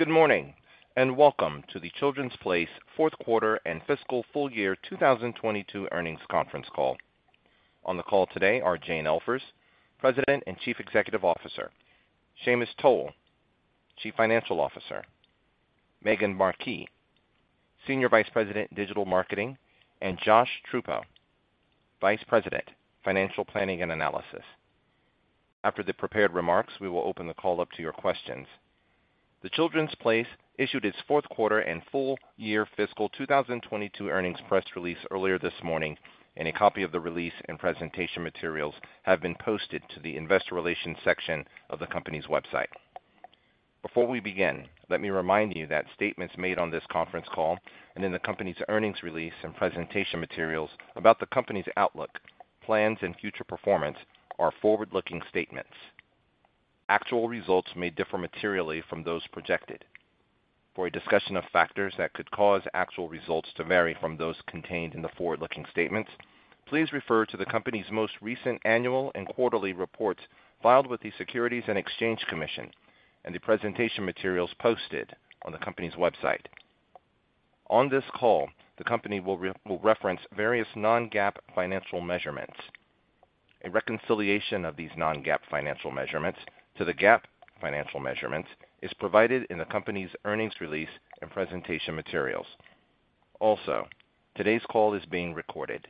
Good morning, and welcome to The Children's Place Fourth Quarter and Fiscal Full Year 2022 Earnings Conference Call. On the call today are Jane Elfers, President and Chief Executive Officer, Sheamus Toal, Chief Financial Officer, Maegan Markee, Senior Vice President, Digital Marketing, and Josh Truppo, Vice President, Financial Planning and Analysis. After the prepared remarks, we will open the call up to your questions. The Children's Place issued its fourth quarter and full year fiscal 2022 earnings press release earlier this morning, and a copy of the release and presentation materials have been posted to the investor relations section of the company's website. Before we begin, let me remind you that statements made on this conference call and in the company's earnings release and presentation materials about the company's outlook, plans, and future performance are forward-looking statements. Actual results may differ materially from those projected. For a discussion of factors that could cause actual results to vary from those contained in the forward-looking statements, please refer to the company's most recent annual and quarterly reports filed with the Securities and Exchange Commission and the presentation materials posted on the company's website. On this call, the company will reference various non-GAAP financial measurements. A reconciliation of these non-GAAP financial measurements to the GAAP financial measurements is provided in the company's earnings release and presentation materials. Also, today's call is being recorded.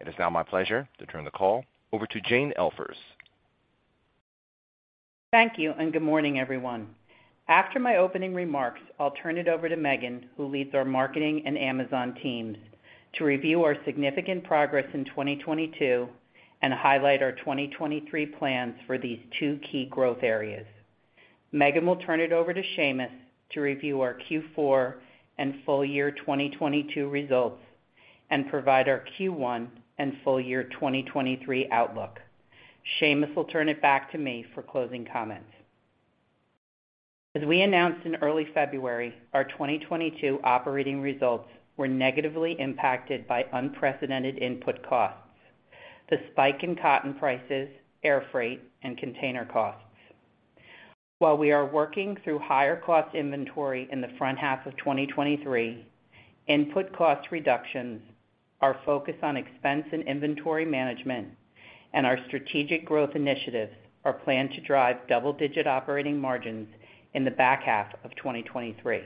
It is now my pleasure to turn the call over to Jane Elfers. Thank you. Good morning, everyone. After my opening remarks, I'll turn it over to Maegan, who leads our marketing and Amazon teams, to review our significant progress in 2022 and highlight our 2023 plans for these two key growth areas. Maegan will turn it over to Sheamus to review our Q4 and full year 2022 results and provide our Q1 and full year 2023 outlook. Sheamus will turn it back to me for closing comments. As we announced in early February, our 2022 operating results were negatively impacted by unprecedented input costs, the spike in cotton prices, air freight, and container costs. While we are working through higher cost inventory in the front half of 2023, input cost reductions are focused on expense and inventory management, and our strategic growth initiatives are planned to drive double-digit operating margins in the back half of 2023.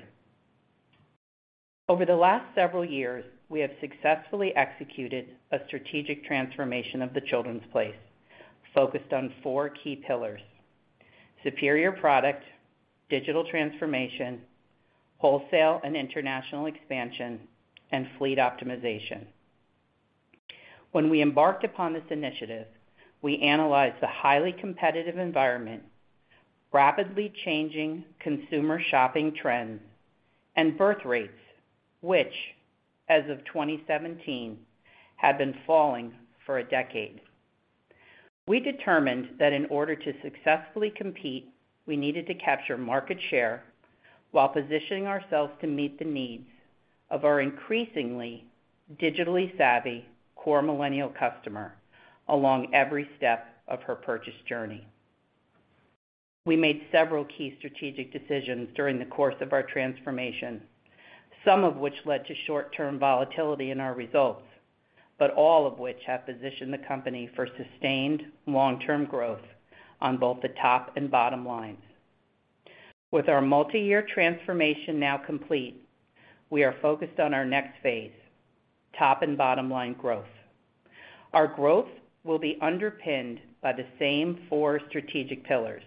Over the last several years, we have successfully executed a strategic transformation of The Children's Place focused on four key pillars: superior product, digital transformation, wholesale and international expansion, and fleet optimization. When we embarked upon this initiative, we analyzed the highly competitive environment, rapidly changing consumer shopping trends, and birth rates, which, as of 2017, had been falling for a decade. We determined that in order to successfully compete, we needed to capture market share while positioning ourselves to meet the needs of our increasingly digitally savvy core Millennial customer along every step of her purchase journey. We made several key strategic decisions during the course of our transformation, some of which led to short-term volatility in our results, but all of which have positioned the company for sustained long-term growth on both the top and bottom lines. With our multiyear transformation now complete, we are focused on our next phase, top and bottom line growth. Our growth will be underpinned by the same four strategic pillars,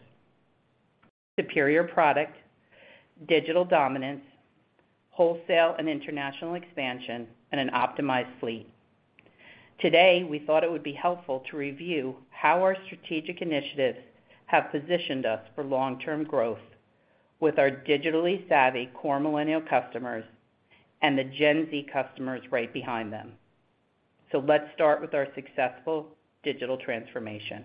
superior product, digital dominance, wholesale and international expansion, and an optimized fleet. Today, we thought it would be helpful to review how our strategic initiatives have positioned us for long-term growth with our digitally savvy core Millennial customers and the Gen Z customers right behind them. Let's start with our successful digital transformation.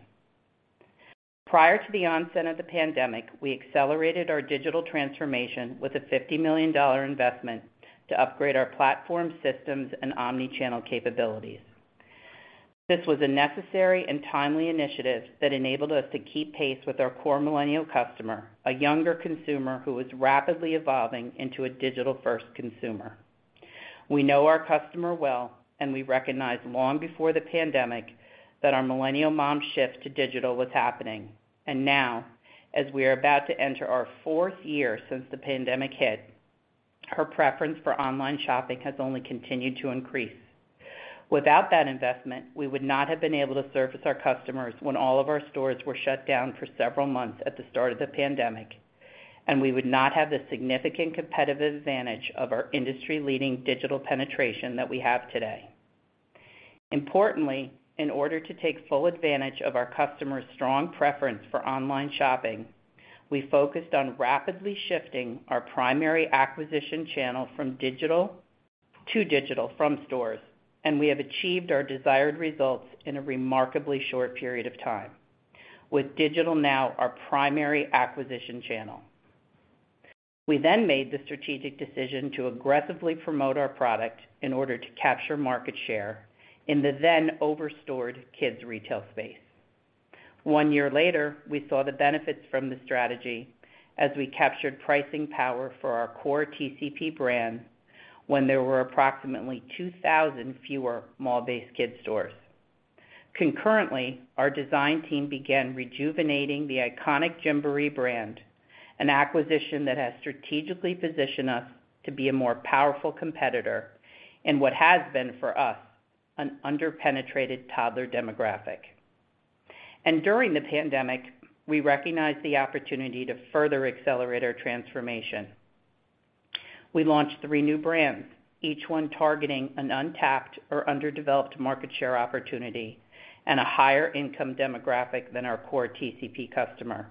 Prior to the onset of the pandemic, we accelerated our digital transformation with a $50 million investment to upgrade our platform systems and omnichannel capabilities. This was a necessary and timely initiative that enabled us to keep pace with our core Millennial customer, a younger consumer who was rapidly evolving into a digital-first consumer. We know our customer well, we recognized long before the pandemic that our Millennial mom shift to digital was happening. Now, as we are about to enter our fourth year since the pandemic hit, her preference for online shopping has only continued to increase. Without that investment, we would not have been able to service our customers when all of our stores were shut down for several months at the start of the pandemic, and we would not have the significant competitive advantage of our industry-leading digital penetration that we have today. Importantly, in order to take full advantage of our customers' strong preference for online shopping, we focused on rapidly shifting our primary acquisition channel to digital from stores, and we have achieved our desired results in a remarkably short period of time. With digital now our primary acquisition channel. We made the strategic decision to aggressively promote our product in order to capture market share in the then over-stored kids retail space. One year later, we saw the benefits from the strategy as we captured pricing power for our core TCP brand when there were approximately 2,000 fewer mall-based kids stores. Concurrently, our design team began rejuvenating the iconic Gymboree brand, an acquisition that has strategically positioned us to be a more powerful competitor in what has been for us, an under-penetrated toddler demographic. During the pandemic, we recognized the opportunity to further accelerate our transformation. We launched three new brands, each one targeting an untapped or underdeveloped market share opportunity and a higher income demographic than our core TCP customer.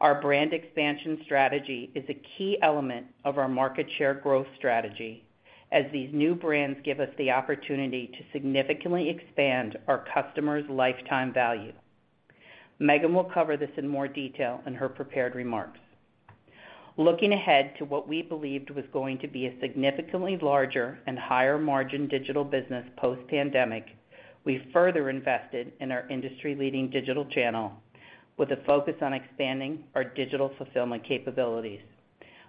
Our brand expansion strategy is a key element of our market share growth strategy, as these new brands give us the opportunity to significantly expand our customers' lifetime value. Maegan will cover this in more detail in her prepared remarks. Looking ahead to what we believed was going to be a significantly larger and higher margin digital business post-pandemic, we further invested in our industry-leading digital channel with a focus on expanding our digital fulfillment capabilities.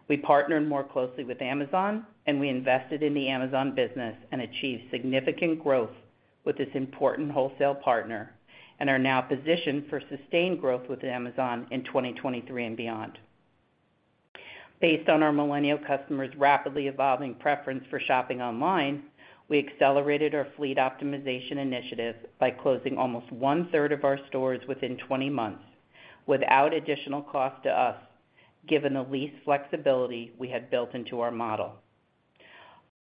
We partnered more closely with Amazon, we invested in the Amazon business and achieved significant growth with this important wholesale partner, and are now positioned for sustained growth with Amazon in 2023 and beyond. Based on our Millennial customers' rapidly evolving preference for shopping online, we accelerated our fleet optimization initiative by closing almost one-third of our stores within 20 months without additional cost to us, given the lease flexibility we had built into our model.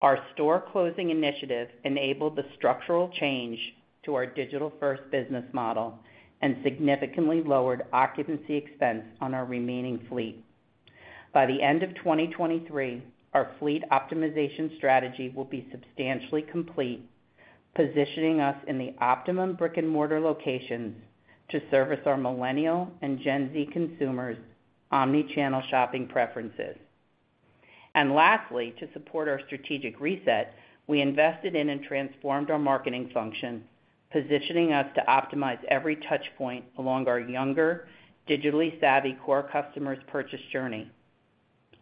Our store closing initiative enabled the structural change to our digital-first business model and significantly lowered occupancy expense on our remaining fleet. By the end of 2023, our fleet optimization strategy will be substantially complete, positioning us in the optimum brick-and-mortar locations to service our Millennial and Gen Z consumers' omnichannel shopping preferences. Lastly, to support our strategic reset, we invested in and transformed our marketing function, positioning us to optimize every touch point along our younger, digitally savvy core customers' purchase journey.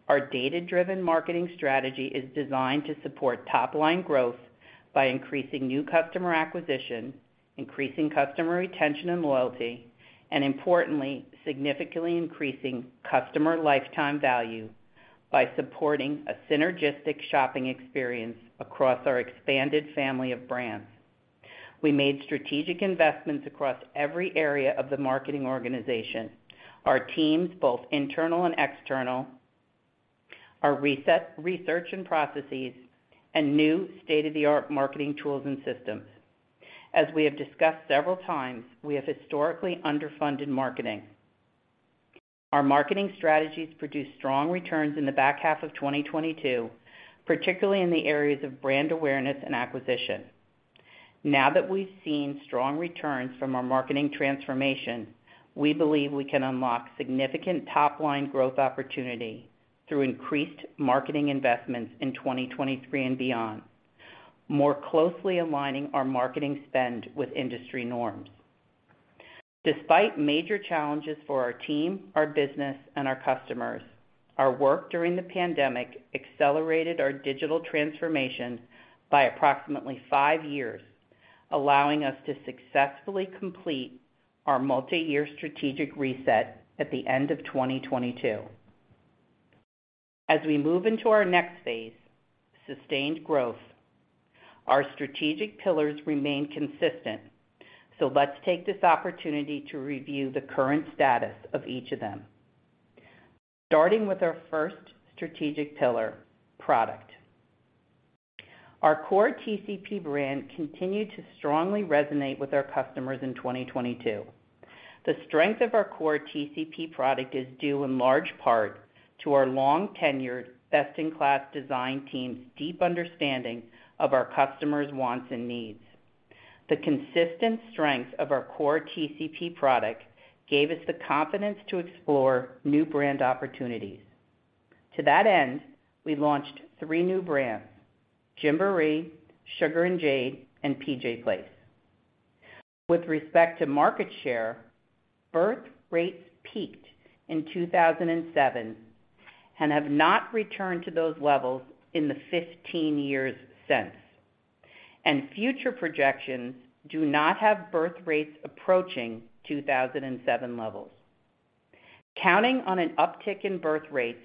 Our data-driven marketing strategy is designed to support top-line growth by increasing new customer acquisition, increasing customer retention and loyalty, and importantly, significantly increasing customer lifetime value by supporting a synergistic shopping experience across our expanded family of brands. We made strategic investments across every area of the marketing organization, our teams, both internal and external, our research and processes, and new state-of-the-art marketing tools and systems. As we have discussed several times, we have historically underfunded marketing. Our marketing strategies produced strong returns in the back half of 2022, particularly in the areas of brand awareness and acquisition. That we've seen strong returns from our marketing transformation, we believe we can unlock significant top-line growth opportunity through increased marketing investments in 2023 and beyond, more closely aligning our marketing spend with industry norms. Despite major challenges for our team, our business, and our customers, our work during the pandemic accelerated our digital transformation by approximately five years, allowing us to successfully complete our multiyear strategic reset at the end of 2022. As we move into our next phase, sustained growth, our strategic pillars remain consistent. Let's take this opportunity to review the current status of each of them. Starting with our first strategic pillar, product. Our core TCP brand continued to strongly resonate with our customers in 2022. The strength of our core TCP product is due in large part to our long-tenured, best-in-class design team's deep understanding of our customers' wants and needs. The consistent strength of our core TCP product gave us the confidence to explore new brand opportunities. To that end, we launched three new brands, Gymboree, Sugar & Jade, and PJ Place. With respect to market share, birth rates peaked in 2007 and have not returned to those levels in the 15 years since. Future projections do not have birth rates approaching 2007 levels. Counting on an uptick in birth rates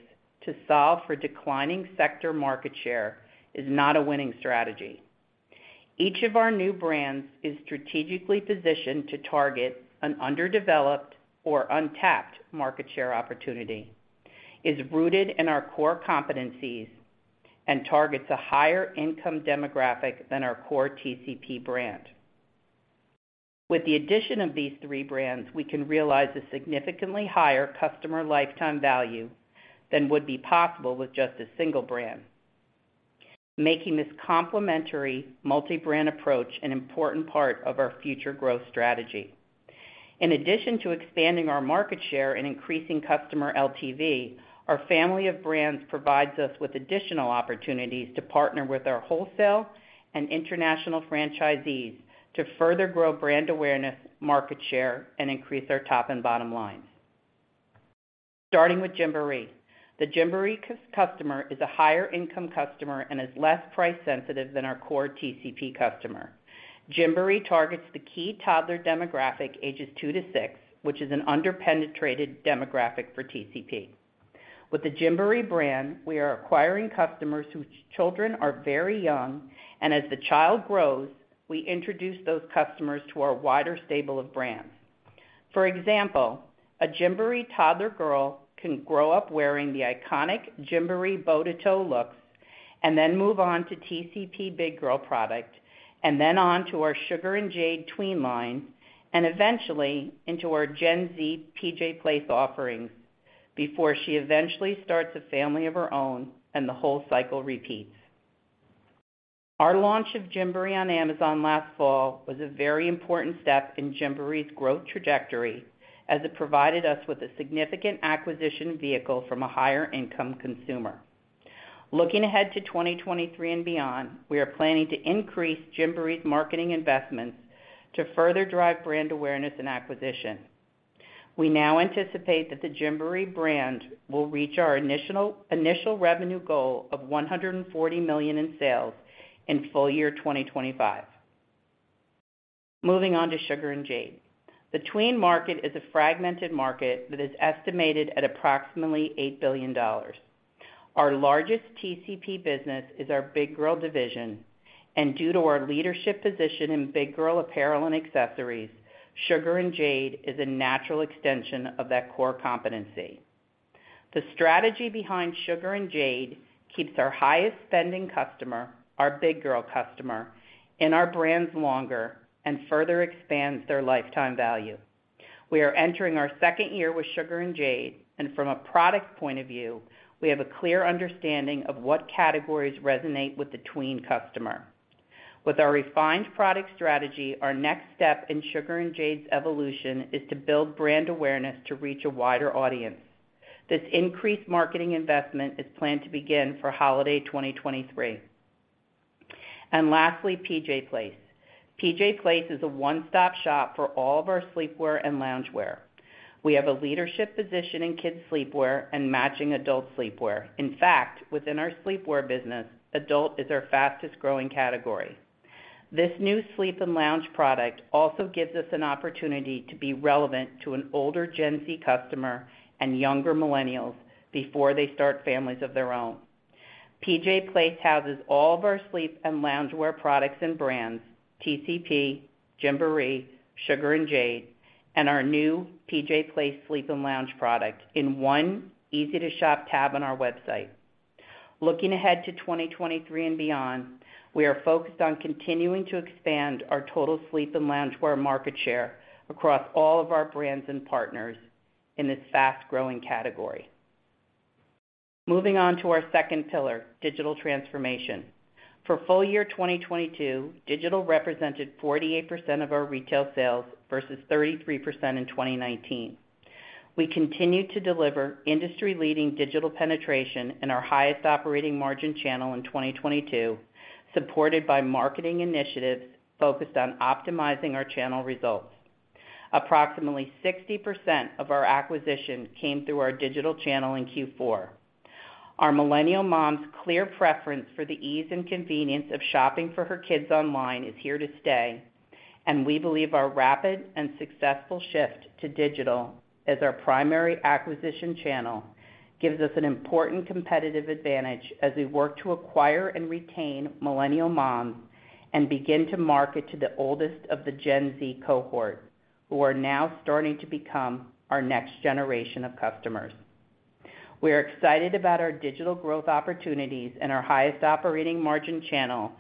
to solve for declining sector market share is not a winning strategy. Each of our new brands is strategically positioned to target an underdeveloped or untapped market share opportunity, is rooted in our core competencies and targets a higher income demographic than our core TCP brand. With the addition of these three brands, we can realize a significantly higher customer lifetime value than would be possible with just a single brand, making this complementary multi-brand approach an important part of our future growth strategy. In addition to expanding our market share and increasing customer LTV, our family of brands provides us with additional opportunities to partner with our wholesale and international franchisees to further grow brand awareness, market share, and increase our top and bottom lines. Starting with Gymboree. The Gymboree customer is a higher income customer and is less price sensitive than our core TCP customer. Gymboree targets the key toddler demographic, ages two to six, which is an under-penetrated demographic for TCP. With the Gymboree brand, we are acquiring customers whose children are very young, and as the child grows, we introduce those customers to our wider stable of brands. For example, a Gymboree toddler girl can grow up wearing the iconic Gymboree bow-to-toe looks and then move on to TCP big girl product, and then on to our Sugar & Jade tween line, and eventually into our Gen Z PJ Place offerings before she eventually starts a family of her own and the whole cycle repeats. Our launch of Gymboree on Amazon last fall was a very important step in Gymboree's growth trajectory as it provided us with a significant acquisition vehicle from a higher income consumer. Looking ahead to 2023 and beyond, we are planning to increase Gymboree's marketing investments to further drive brand awareness and acquisition. We now anticipate that the Gymboree brand will reach our initial revenue goal of $140 million in sales in full year 2025. Moving on to Sugar & Jade. The tween market is a fragmented market that is estimated at approximately $8 billion. Our largest TCP business is our big girl division, and due to our leadership position in big girl apparel and accessories, Sugar & Jade is a natural extension of that core competency. The strategy behind Sugar & Jade keeps our highest spending customer, our big girl customer, in our brands longer and further expands their lifetime value. We are entering our second year with Sugar & Jade, and from a product point of view, we have a clear understanding of what categories resonate with the tween customer. With our refined product strategy, our next step in Sugar & Jade's evolution is to build brand awareness to reach a wider audience. This increased marketing investment is planned to begin for holiday 2023. Lastly, PJ Place. PJ Place is a one-stop shop for all of our sleepwear and loungewear. We have a leadership position in kids' sleepwear and matching adult sleepwear. In fact, within our sleepwear business, adult is our fastest-growing category. This new sleep and lounge product also gives us an opportunity to be relevant to an older Gen Z customer and younger Millennials before they start families of their own. PJ Place houses all of our sleep and loungewear products and brands, TCP, Gymboree, Sugar & Jade, and our new PJ Place sleep and lounge product in one easy to shop tab on our website. Looking ahead to 2023 and beyond, we are focused on continuing to expand our total sleep and loungewear market share across all of our brands and partners in this fast-growing category. Moving on to our second pillar, digital transformation. For full year 2022, digital represented 48% of our retail sales versus 33% in 2019. We continued to deliver industry-leading digital penetration in our highest operating margin channel in 2022, supported by marketing initiatives focused on optimizing our channel results. Approximately 60% of our acquisition came through our digital channel in Q4. Our Millennial moms' clear preference for the ease and convenience of shopping for her kids online is here to stay, and we believe our rapid and successful shift to digital as our primary acquisition channel gives us an important competitive advantage as we work to acquire and retain Millennial moms and begin to market to the oldest of the Gen Z cohort, who are now starting to become our next generation of customers. We are excited about our digital growth opportunities and our highest operating margin channel.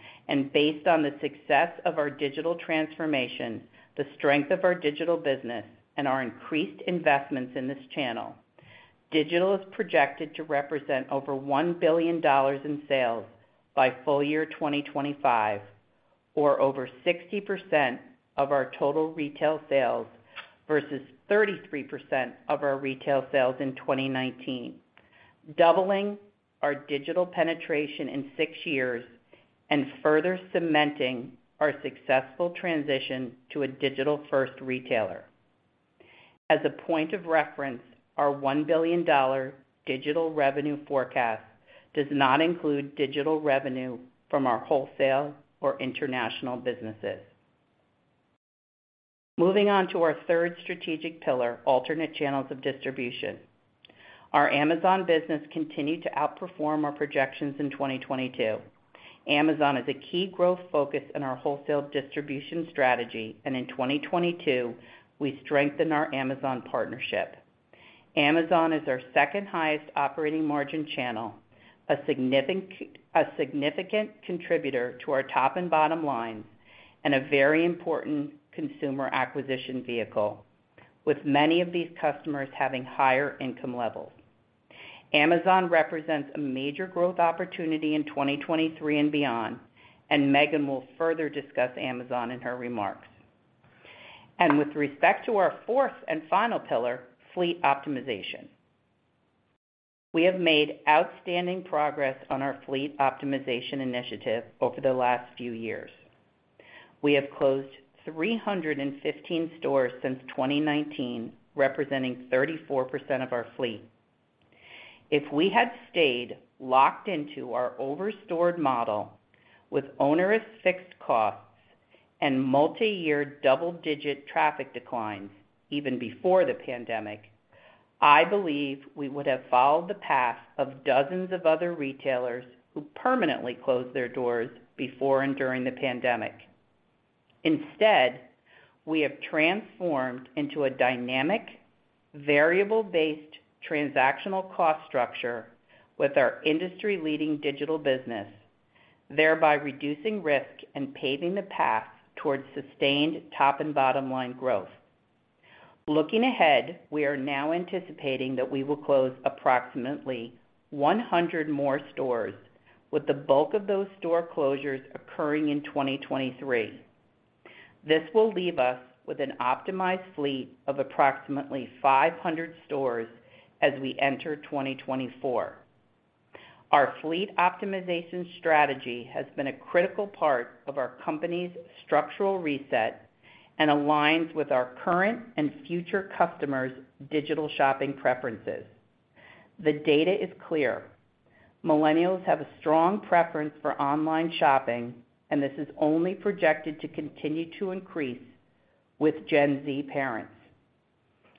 Based on the success of our digital transformation, the strength of our digital business, and our increased investments in this channel, digital is projected to represent over $1 billion in sales by full year 2025, or over 60% of our total retail sales versus 33% of our retail sales in 2019. Doubling our digital penetration in six years and further cementing our successful transition to a digital first retailer. As a point of reference, our $1 billion digital revenue forecast does not include digital revenue from our wholesale or international businesses. Moving on to our third strategic pillar, alternate channels of distribution. Our Amazon business continued to outperform our projections in 2022. Amazon is a key growth focus in our wholesale distribution strategy, and in 2022, we strengthened our Amazon partnership. Amazon is our second highest operating margin channel, a significant contributor to our top and bottom lines, and a very important consumer acquisition vehicle, with many of these customers having higher income levels. Amazon represents a major growth opportunity in 2023 and beyond, and Maegan will further discuss Amazon in her remarks. With respect to our fourth and final pillar, fleet optimization. We have made outstanding progress on our fleet optimization initiative over the last few years. We have closed 315 stores since 2019, representing 34% of our fleet. If we had stayed locked into our over-stored model with onerous fixed costs and multiyear double-digit traffic declines even before the pandemic, I believe we would have followed the path of dozens of other retailers who permanently closed their doors before and during the pandemic. Instead, we have transformed into a dynamic, variable-based transactional cost structure with our industry-leading digital business, thereby reducing risk and paving the path towards sustained top and bottom line growth. Looking ahead, we are now anticipating that we will close approximately 100 more stores, with the bulk of those store closures occurring in 2023. This will leave us with an optimized fleet of approximately 500 stores as we enter 2024. Our fleet optimization strategy has been a critical part of our company's structural reset and aligns with our current and future customers' digital shopping preferences. The data is clear. Millennials have a strong preference for online shopping, and this is only projected to continue to increase with Gen Z parents.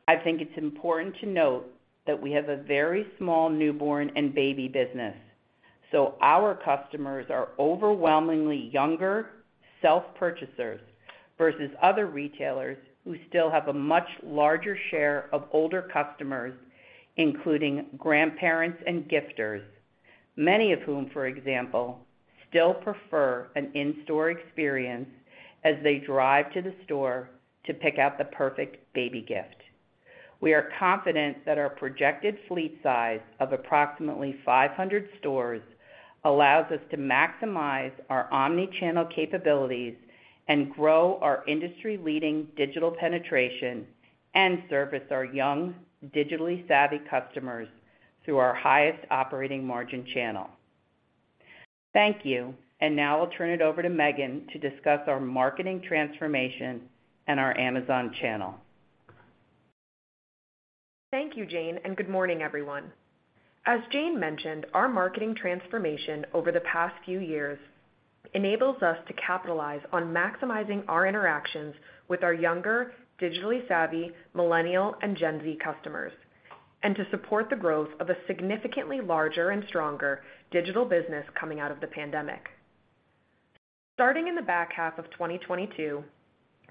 I think it's important to note that we have a very small newborn and baby business, so our customers are overwhelmingly younger self-purchasers versus other retailers who still have a much larger share of older customers, including grandparents and gifters, many of whom, for example, still prefer an in-store experience as they drive to the store to pick out the perfect baby gift. We are confident that our projected fleet size of approximately 500 stores allows us to maximize our omnichannel capabilities and grow our industry-leading digital penetration and service our young, digitally savvy customers through our highest operating margin channel. Thank you. Now I'll turn it over to Maegan to discuss our marketing transformation and our Amazon channel. Thank you, Jane, and good morning, everyone. As Jane mentioned, our marketing transformation over the past few years enables us to capitalize on maximizing our interactions with our younger, digitally savvy Millennial and Gen Z customers and to support the growth of a significantly larger and stronger digital business coming out of the pandemic. Starting in the back half of 2022,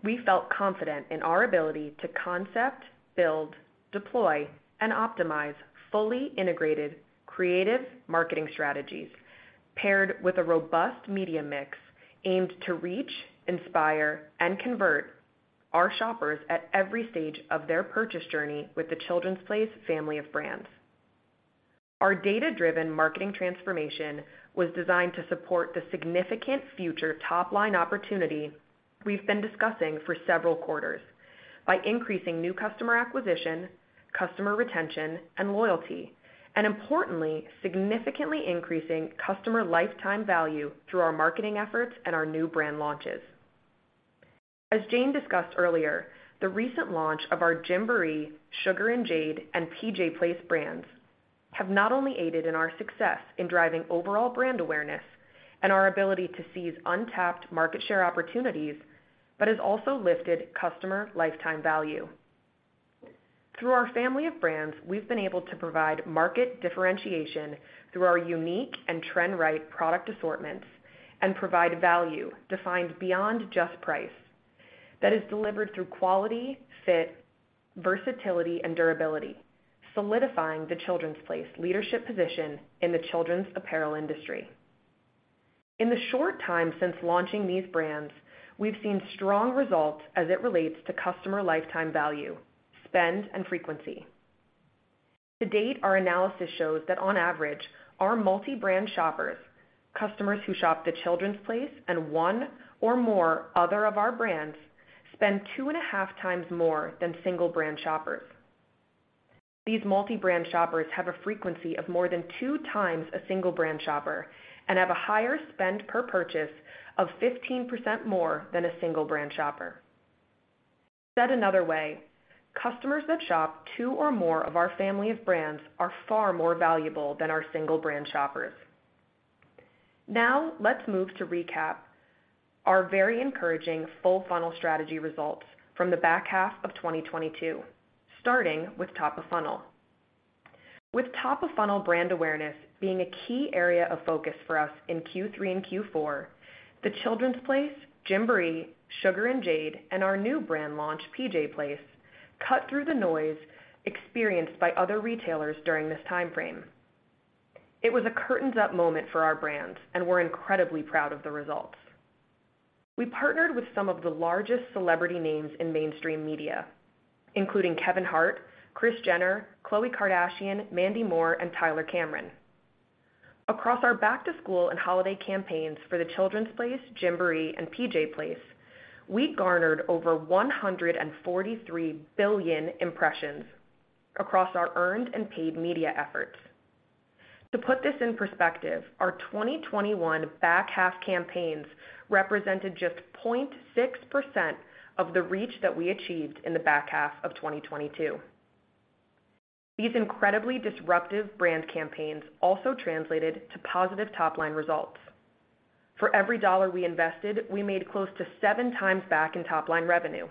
we felt confident in our ability to concept, build, deploy, and optimize fully integrated creative marketing strategies paired with a robust media mix aimed to reach, inspire, and convert our shoppers at every stage of their purchase journey with The Children's Place family of brands. Our data-driven marketing transformation was designed to support the significant future top-line opportunity we've been discussing for several quarters by increasing new customer acquisition, customer retention and loyalty, and importantly, significantly increasing customer lifetime value through our marketing efforts and our new brand launches. As Jane discussed earlier, the recent launch of our Gymboree, Sugar & Jade, and PJ Place brands have not only aided in our success in driving overall brand awareness and our ability to seize untapped market share opportunities, but has also lifted customer lifetime value. Through our family of brands, we've been able to provide market differentiation through our unique and trend-right product assortments and provide value defined beyond just price that is delivered through quality, fit, versatility, and durability, solidifying The Children's Place leadership position in the children's apparel industry. In the short time since launching these brands, we've seen strong results as it relates to customer lifetime value, spend, and frequency. To date, our analysis shows that on average, our multi-brand shoppers, customers who shop The Children's Place and one or more other of our brands, spend 2.5x more than single-brand shoppers. These multi-brand shoppers have a frequency of more than two times a single-brand shopper and have a higher spend per purchase of 15% more than a single-brand shopper. Said another way, customers that shop two or more of our family of brands are far more valuable than our single-brand shoppers. Let's move to recap our very encouraging full funnel strategy results from the back half of 2022, starting with top of funnel. With top of funnel brand awareness being a key area of focus for us in Q3 and Q4, The Children's Place, Gymboree, Sugar & Jade, and our new brand launch, PJ Place, cut through the noise experienced by other retailers during this time frame. It was a curtains up moment for our brands, and we're incredibly proud of the results. We partnered with some of the largest celebrity names in mainstream media, including Kevin Hart, Kris Jenner, Khloé Kardashian, Mandy Moore, and Tyler Cameron. Across our back to school and holiday campaigns for The Children's Place, Gymboree, and PJ Place, we garnered over 143 billion impressions across our earned and paid media efforts. To put this in perspective, our 2021 back half campaigns represented just 0.6% of the reach that we achieved in the back half of 2022. These incredibly disruptive brand campaigns also translated to positive top line results. For every dollar we invested, we made close to seven times back in top line revenue,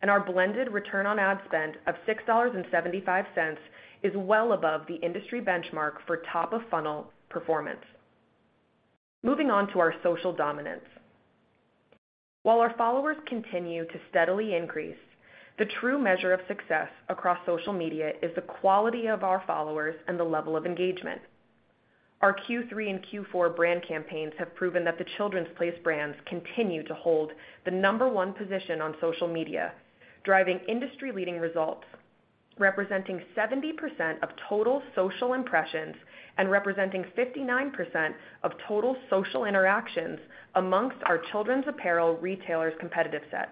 and our blended return on ad spend of $6.75 is well above the industry benchmark for top of funnel performance. Moving on to our social dominance. While our followers continue to steadily increase, the true measure of success across social media is the quality of our followers and the level of engagement. Our Q3 and Q4 brand campaigns have proven that The Children's Place brands continue to hold the number one position on social media, driving industry-leading results, representing 70% of total social impressions and representing 59% of total social interactions amongst our children's apparel retailers competitive set.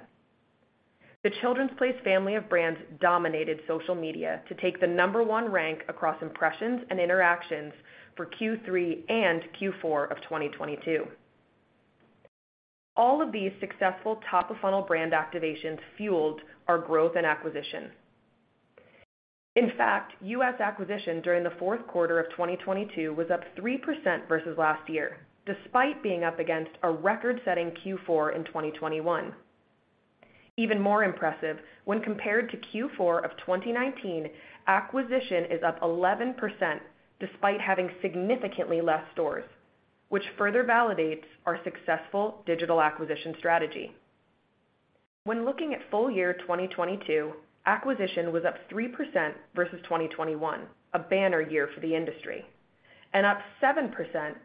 The Children's Place family of brands dominated social media to take the number 1 rank across impressions and interactions for Q3 and Q4 of 2022. All of these successful top of funnel brand activations fueled our growth and acquisition. In fact, U.S. acquisition during the fourth quarter of 2022 was up 3% versus last year, despite being up against a record-setting Q4 in 2021. Even more impressive, when compared to Q4 of 2019, acquisition is up 11% despite having significantly less stores, which further validates our successful digital acquisition strategy. When looking at full year 2022, acquisition was up 3% versus 2021, a banner year for the industry, and up 7%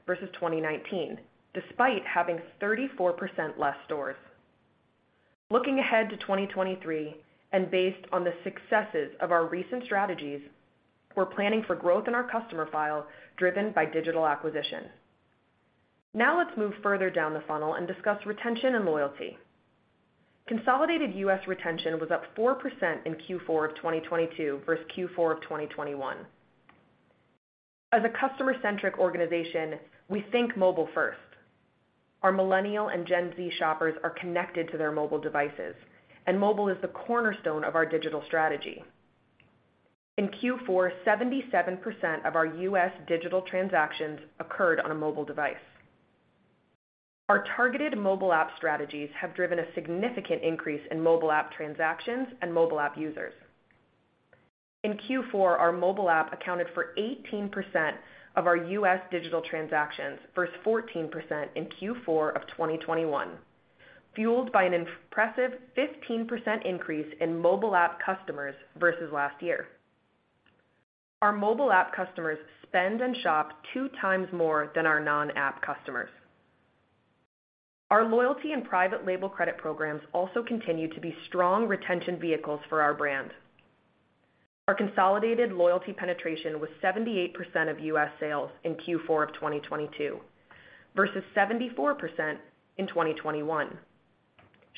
versus 2019, despite having 34% less stores. Looking ahead to 2023, and based on the successes of our recent strategies, we're planning for growth in our customer file driven by digital acquisition. Now let's move further down the funnel and discuss retention and loyalty. Consolidated U.S. retention was up 4% in Q4 of 2022 versus Q4 of 2021. As a customer-centric organization, we think mobile first. Our Millennial and Gen Z shoppers are connected to their mobile devices, and mobile is the cornerstone of our digital strategy. In Q4, 77% of our U.S. digital transactions occurred on a mobile device. Our targeted mobile app strategies have driven a significant increase in mobile app transactions and mobile app users. In Q4, our mobile app accounted for 18% of our U.S. digital transactions, versus 14% in Q4 of 2021, fueled by an impressive 15% increase in mobile app customers versus last year. Our mobile app customers spend and shop two times more than our non-app customers. Our loyalty and private label credit programs also continue to be strong retention vehicles for our brand. Our consolidated loyalty penetration was 78% of U.S. sales in Q4 of 2022 versus 74% in 2021,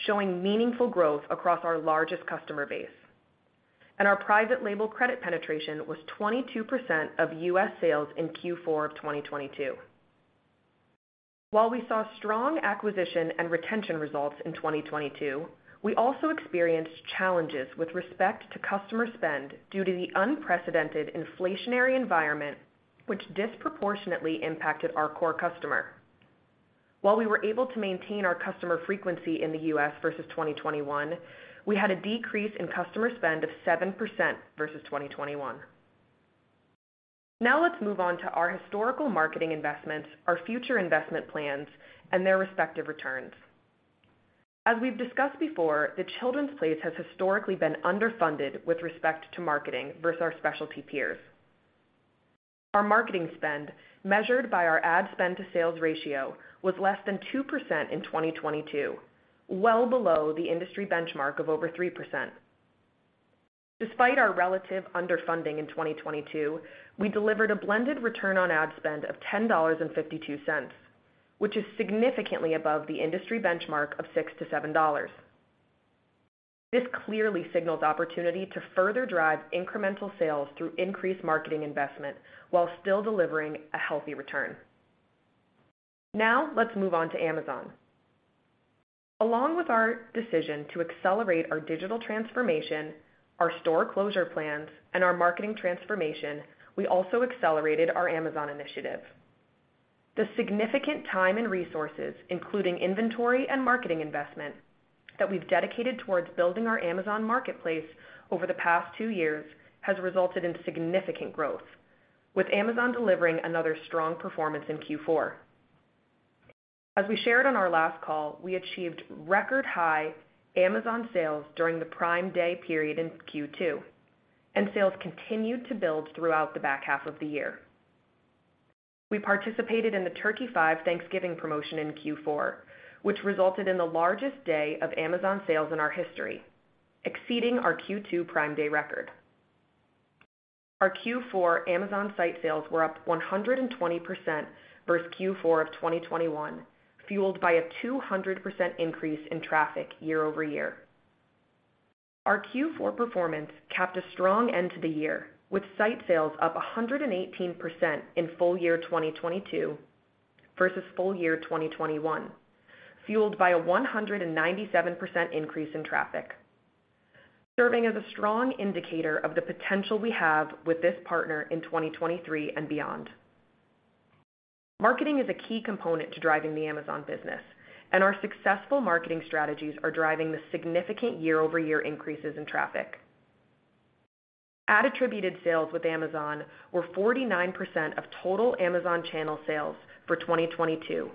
showing meaningful growth across our largest customer base. Our private label credit penetration was 22% of U.S. sales in Q4 of 2022. While we saw strong acquisition and retention results in 2022, we also experienced challenges with respect to customer spend due to the unprecedented inflationary environment which disproportionately impacted our core customer. While we were able to maintain our customer frequency in the U.S. versus 2021, we had a decrease in customer spend of 7% versus 2021. Let's move on to our historical marketing investments, our future investment plans, and their respective returns. As we've discussed before, The Children's Place has historically been underfunded with respect to marketing versus our specialty peers. Our marketing spend, measured by our ad spend to sales ratio, was less than 2% in 2022, well below the industry benchmark of over 3%. Despite our relative underfunding in 2022, we delivered a blended return on ad spend of $10.52, which is significantly above the industry benchmark of $6-$7. This clearly signals opportunity to further drive incremental sales through increased marketing investment while still delivering a healthy return. Let's move on to Amazon. Along with our decision to accelerate our digital transformation, our store closure plans, and our marketing transformation, we also accelerated our Amazon initiative. The significant time and resources, including inventory and marketing investment, that we've dedicated towards building our Amazon marketplace over the past two years has resulted in significant growth, with Amazon delivering another strong performance in Q4. As we shared on our last call, we achieved record high Amazon sales during the Prime Day period in Q2, and sales continued to build throughout the back half of the year. We participated in the Turkey 5 Thanksgiving promotion in Q4, which resulted in the largest day of Amazon sales in our history. Exceeding our Q2 Prime Day record. Our Q4 Amazon site sales were up 120% versus Q4 of 2021, fueled by a 200% increase in traffic year-over-year. Our Q4 performance capped a strong end to the year, with site sales up 118% in full year 2022 versus full year 2021, fueled by a 197% increase in traffic. Serving as a strong indicator of the potential we have with this partner in 2023 and beyond. Marketing is a key component to driving the Amazon business, and our successful marketing strategies are driving the significant year-over-year increases in traffic. Ad attributed sales with Amazon were 49% of total Amazon channel sales for 2022,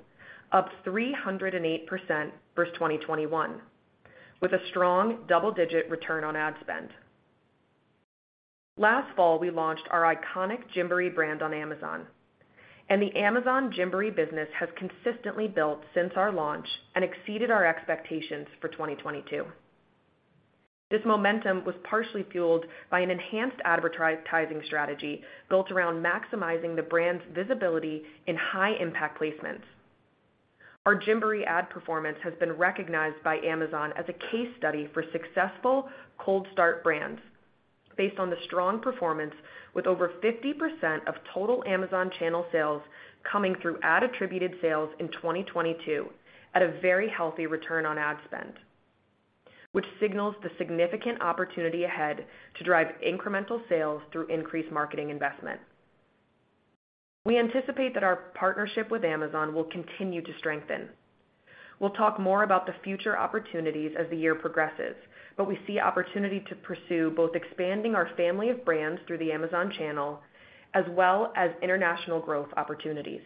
up 308% versus 2021, with a strong double-digit return on ad spend. Last fall, we launched our iconic Gymboree brand on Amazon, and the Amazon Gymboree business has consistently built since our launch and exceeded our expectations for 2022. This momentum was partially fueled by an enhanced advertising strategy built around maximizing the brand's visibility in high impact placements. Our Gymboree ad performance has been recognized by Amazon as a case study for successful cold start brands based on the strong performance with over 50% of total Amazon channel sales coming through ad attributed sales in 2022 at a very healthy return on ad spend, which signals the significant opportunity ahead to drive incremental sales through increased marketing investment. We anticipate that our partnership with Amazon will continue to strengthen. We'll talk more about the future opportunities as the year progresses, but we see opportunity to pursue both expanding our family of brands through the Amazon channel as well as international growth opportunities.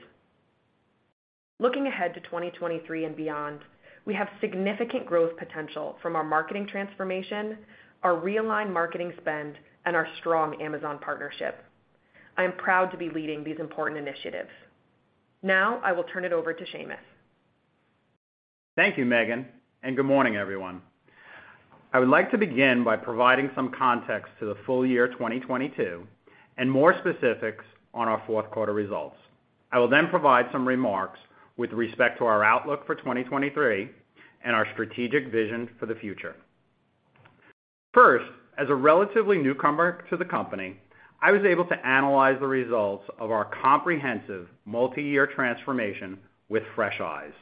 Looking ahead to 2023 and beyond, we have significant growth potential from our marketing transformation, our realigned marketing spend, and our strong Amazon partnership. I am proud to be leading these important initiatives. Now, I will turn it over to Sheamus. Thank you, Maegan, and good morning, everyone. I would like to begin by providing some context to the full year 2022 and more specifics on our fourth quarter results. I will provide some remarks with respect to our outlook for 2023 and our strategic vision for the future. As a relatively newcomer to the company, I was able to analyze the results of our comprehensive multi-year transformation with fresh eyes,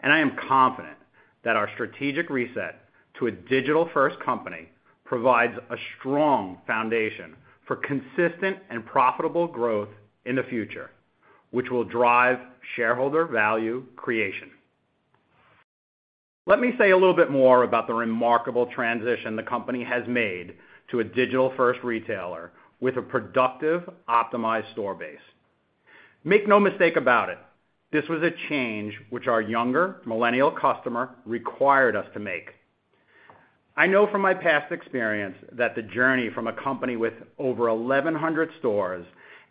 and I am confident that our strategic reset to a digital-first company provides a strong foundation for consistent and profitable growth in the future, which will drive shareholder value creation. Let me say a little bit more about the remarkable transition the company has made to a digital-first retailer with a productive, optimized store base. Make no mistake about it, this was a change which our younger Millennial customer required us to make. I know from my past experience that the journey from a company with over 1,100 stores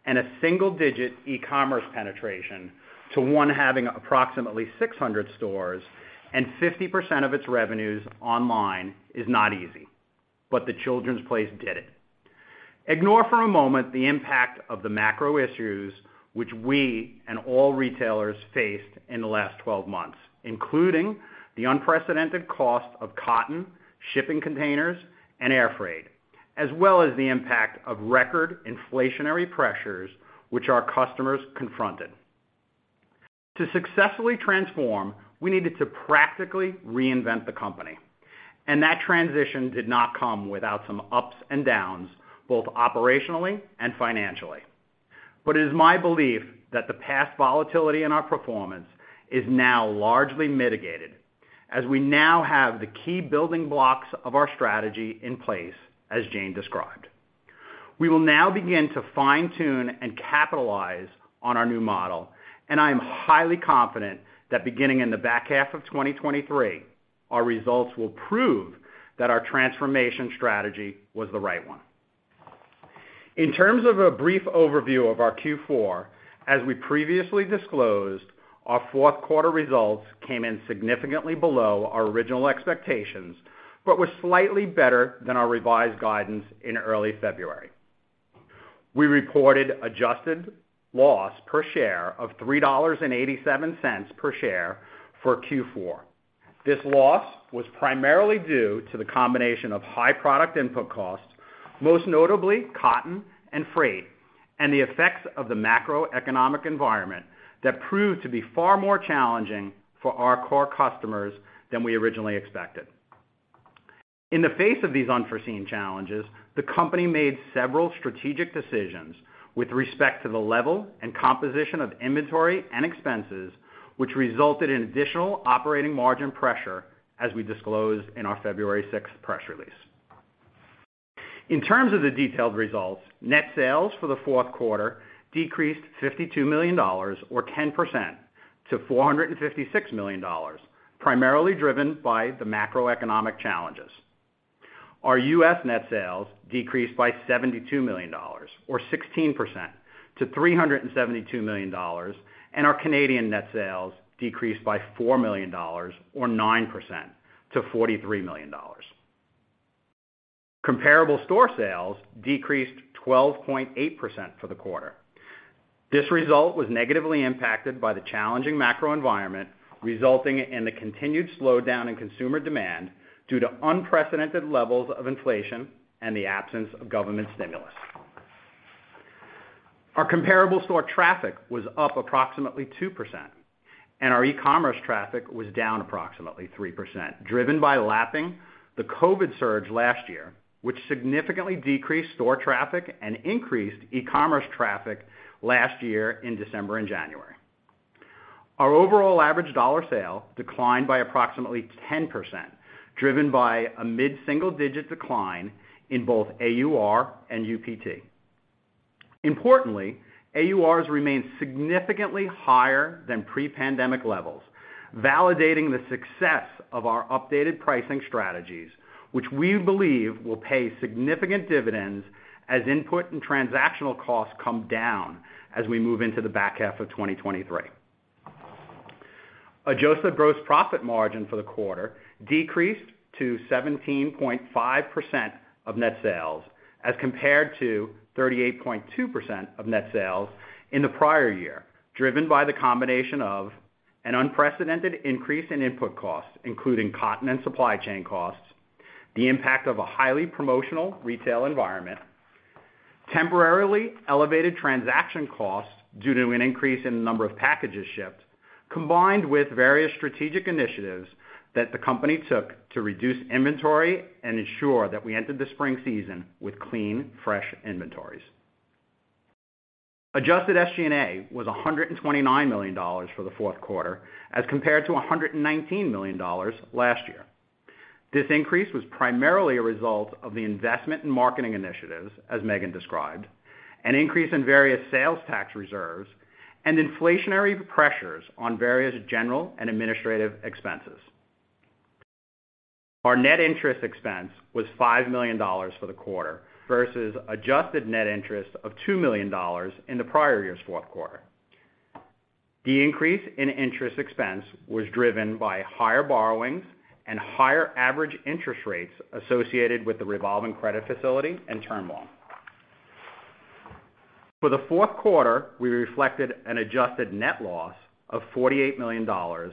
and a single-digit e-commerce penetration to one having approximately 600 stores and 50% of its revenues online is not easy, but The Children's Place did it. Ignore for a moment the impact of the macro issues which we and all retailers faced in the last 12 months, including the unprecedented cost of cotton, shipping containers, and air freight, as well as the impact of record inflationary pressures which our customers confronted. To successfully transform, we needed to practically reinvent the company, and that transition did not come without some ups and downs, both operationally and financially. But it is my belief that the past volatility in our performance is now largely mitigated as we now have the key building blocks of our strategy in place, as Jane described. We will now begin to fine-tune and capitalize on our new model, and I am highly confident that beginning in the back half of 2023, our results will prove that our transformation strategy was the right one. In terms of a brief overview of our Q4, as we previously disclosed, our fourth quarter results came in significantly below our original expectations, but were slightly better than our revised guidance in early February. We reported adjusted loss per share of $3.87 per share for Q4. This loss was primarily due to the combination of high product input costs, most notably cotton and freight, and the effects of the macroeconomic environment that proved to be far more challenging for our core customers than we originally expected. In the face of these unforeseen challenges, the company made several strategic decisions with respect to the level and composition of inventory and expenses, which resulted in additional operating margin pressure as we disclosed in our February 6th press release. In terms of the detailed results, net sales for the fourth quarter decreased $52 million or 10% to $456 million, primarily driven by the macroeconomic challenges. Our U.S. net sales decreased by $72 million or 16% to $372 million, our Canadian net sales decreased by 4 million dollars or 9% to 43 million dollars. Comparable store sales decreased 12.8% for the quarter. This result was negatively impacted by the challenging macro environment, resulting in the continued slowdown in consumer demand due to unprecedented levels of inflation and the absence of government stimulus. Our comparable store traffic was up approximately 2%, and our e-commerce traffic was down approximately 3%, driven by lapping the COVID surge last year, which significantly decreased store traffic and increased e-commerce traffic last year in December and January. Our overall average dollar sale declined by approximately 10%, driven by a mid-single-digit decline in both AUR and UPT. Importantly, AURs remain significantly higher than pre-pandemic levels, validating the success of our updated pricing strategies, which we believe will pay significant dividends as input and transactional costs come down as we move into the back half of 2023. Adjusted gross profit margin for the quarter decreased to 17.5% of net sales as compared to 38.2% of net sales in the prior year, driven by the combination of an unprecedented increase in input costs, including cotton and supply chain costs, the impact of a highly promotional retail environment, temporarily elevated transaction costs due to an increase in the number of packages shipped, combined with various strategic initiatives that the company took to reduce inventory and ensure that we entered the spring season with clean, fresh inventories. Adjusted SG&A was $129 million for the fourth quarter as compared to $119 million last year. This increase was primarily a result of the investment in marketing initiatives, as Maegan described, an increase in various sales tax reserves, and inflationary pressures on various general and administrative expenses. Our net interest expense was $5 million for the quarter versus adjusted net interest of $2 million in the prior year's fourth quarter. The increase in interest expense was driven by higher borrowings and higher average interest rates associated with the revolving credit facility and term loan. For the fourth quarter, we reflected an adjusted net loss of $48 million or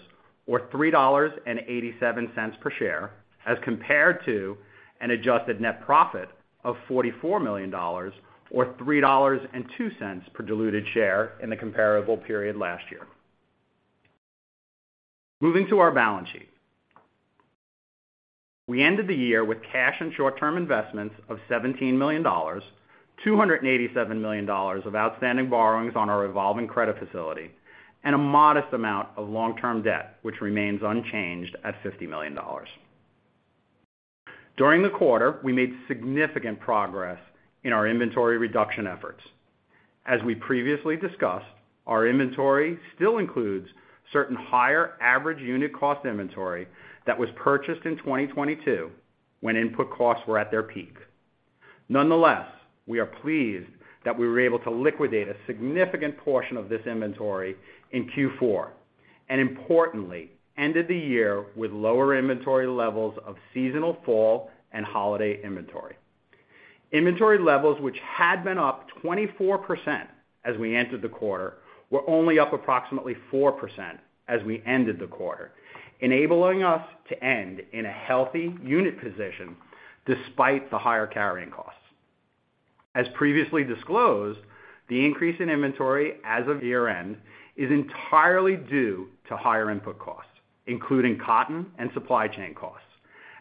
$3.87 per share as compared to an adjusted net profit of $44 million or $3.02 per diluted share in the comparable period last year. Moving to our balance sheet. We ended the year with cash and short-term investments of $17 million, $287 million of outstanding borrowings on our revolving credit facility, and a modest amount of long-term debt, which remains unchanged at $50 million. During the quarter, we made significant progress in our inventory reduction efforts. As we previously discussed, our inventory still includes certain higher average unit cost inventory that was purchased in 2022 when input costs were at their peak. We are pleased that we were able to liquidate a significant portion of this inventory in Q4, and importantly, ended the year with lower inventory levels of seasonal fall and holiday inventory. Inventory levels which had been up 24% as we entered the quarter, were only up approximately 4% as we ended the quarter, enabling us to end in a healthy unit position despite the higher carrying costs. As previously disclosed, the increase in inventory as of year-end is entirely due to higher input costs, including cotton and supply chain costs,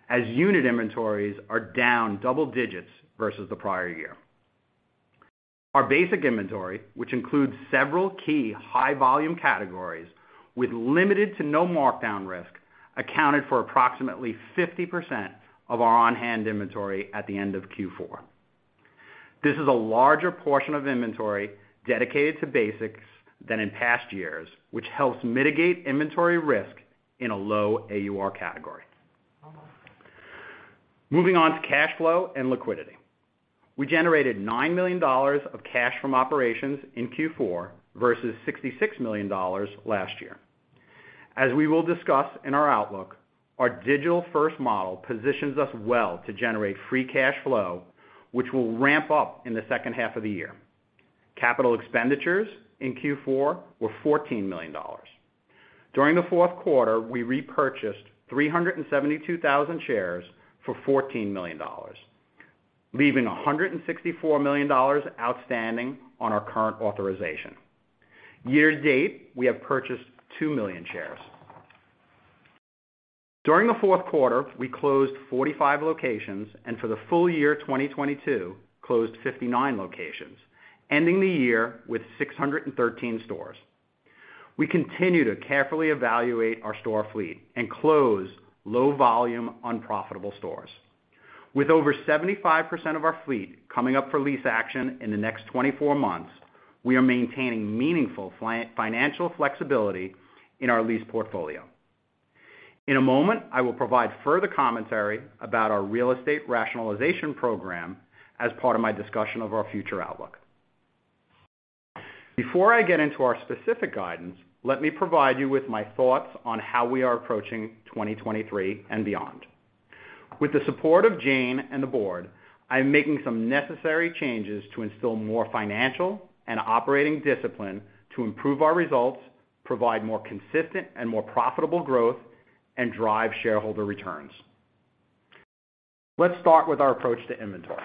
as unit inventories are down double digits versus the prior year. Our basic inventory, which includes several key high volume categories with limited to no markdown risk, accounted for approximately 50% of our on-hand inventory at the end of Q4. This is a larger portion of inventory dedicated to basics than in past years, which helps mitigate inventory risk in a low AUR category. Moving on to cash flow and liquidity. We generated $9 million of cash from operations in Q4 versus $66 million last year. As we will discuss in our outlook, our digital-first model positions us well to generate free cash flow, which will ramp up in the second half of the year. Capital expenditures in Q4 were $14 million. During the fourth quarter, we repurchased 372,000 shares for $14 million, leaving $164 million outstanding on our current authorization. Year to date, we have purchased 2 million shares. During the fourth quarter, we closed 45 locations, and for the full year 2022, closed 59 locations, ending the year with 613 stores. We continue to carefully evaluate our store fleet and close low volume, unprofitable stores. With over 75% of our fleet coming up for lease action in the next 24 months, we are maintaining meaningful financial flexibility in our lease portfolio. In a moment, I will provide further commentary about our real estate rationalization program as part of my discussion of our future outlook. Before I get into our specific guidance, let me provide you with my thoughts on how we are approaching 2023 and beyond. With the support of Jane and the board, I'm making some necessary changes to instill more financial and operating discipline to improve our results, provide more consistent and more profitable growth, and drive shareholder returns. Let's start with our approach to inventory.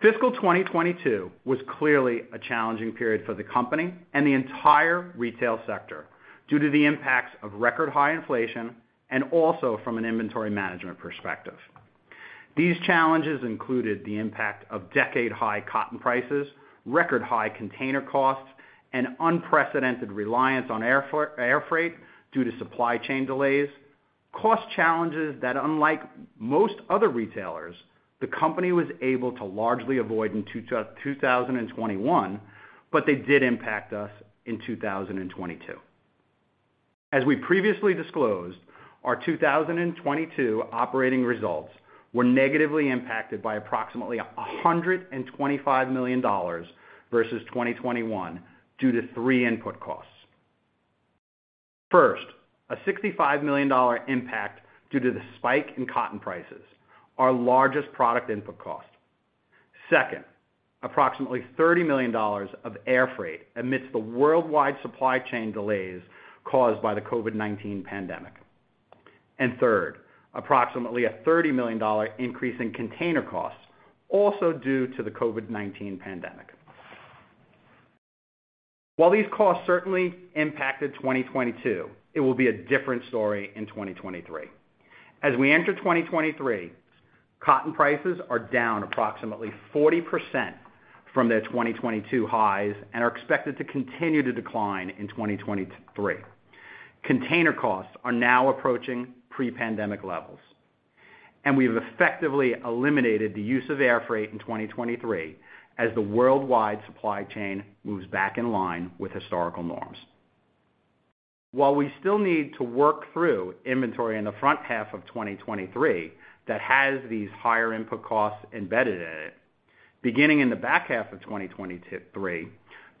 Fiscal 2022 was clearly a challenging period for the company and the entire retail sector due to the impacts of record high inflation and also from an inventory management perspective. These challenges included the impact of decade-high cotton prices, record high container costs, and unprecedented reliance on air freight due to supply chain delays. Cost challenges that, unlike most other retailers, the company was able to largely avoid in 2021, but they did impact us in 2022. As we previously disclosed, our 2022 operating results were negatively impacted by approximately $125 million versus 2021 due to three input costs. First, a $65 million impact due to the spike in cotton prices, our largest product input cost. Second, approximately $30 million of air freight amidst the worldwide supply chain delays caused by the COVID-19 pandemic. Third, approximately a $30 million increase in container costs also due to the COVID-19 pandemic. While these costs certainly impacted 2022, it will be a different story in 2023. As we enter 2023, cotton prices are down approximately 40% from their 2022 highs and are expected to continue to decline in 2023. Container costs are now approaching pre-pandemic levels. We've effectively eliminated the use of air freight in 2023 as the worldwide supply chain moves back in line with historical norms. While we still need to work through inventory in the front half of 2023 that has these higher input costs embedded in it, beginning in the back half of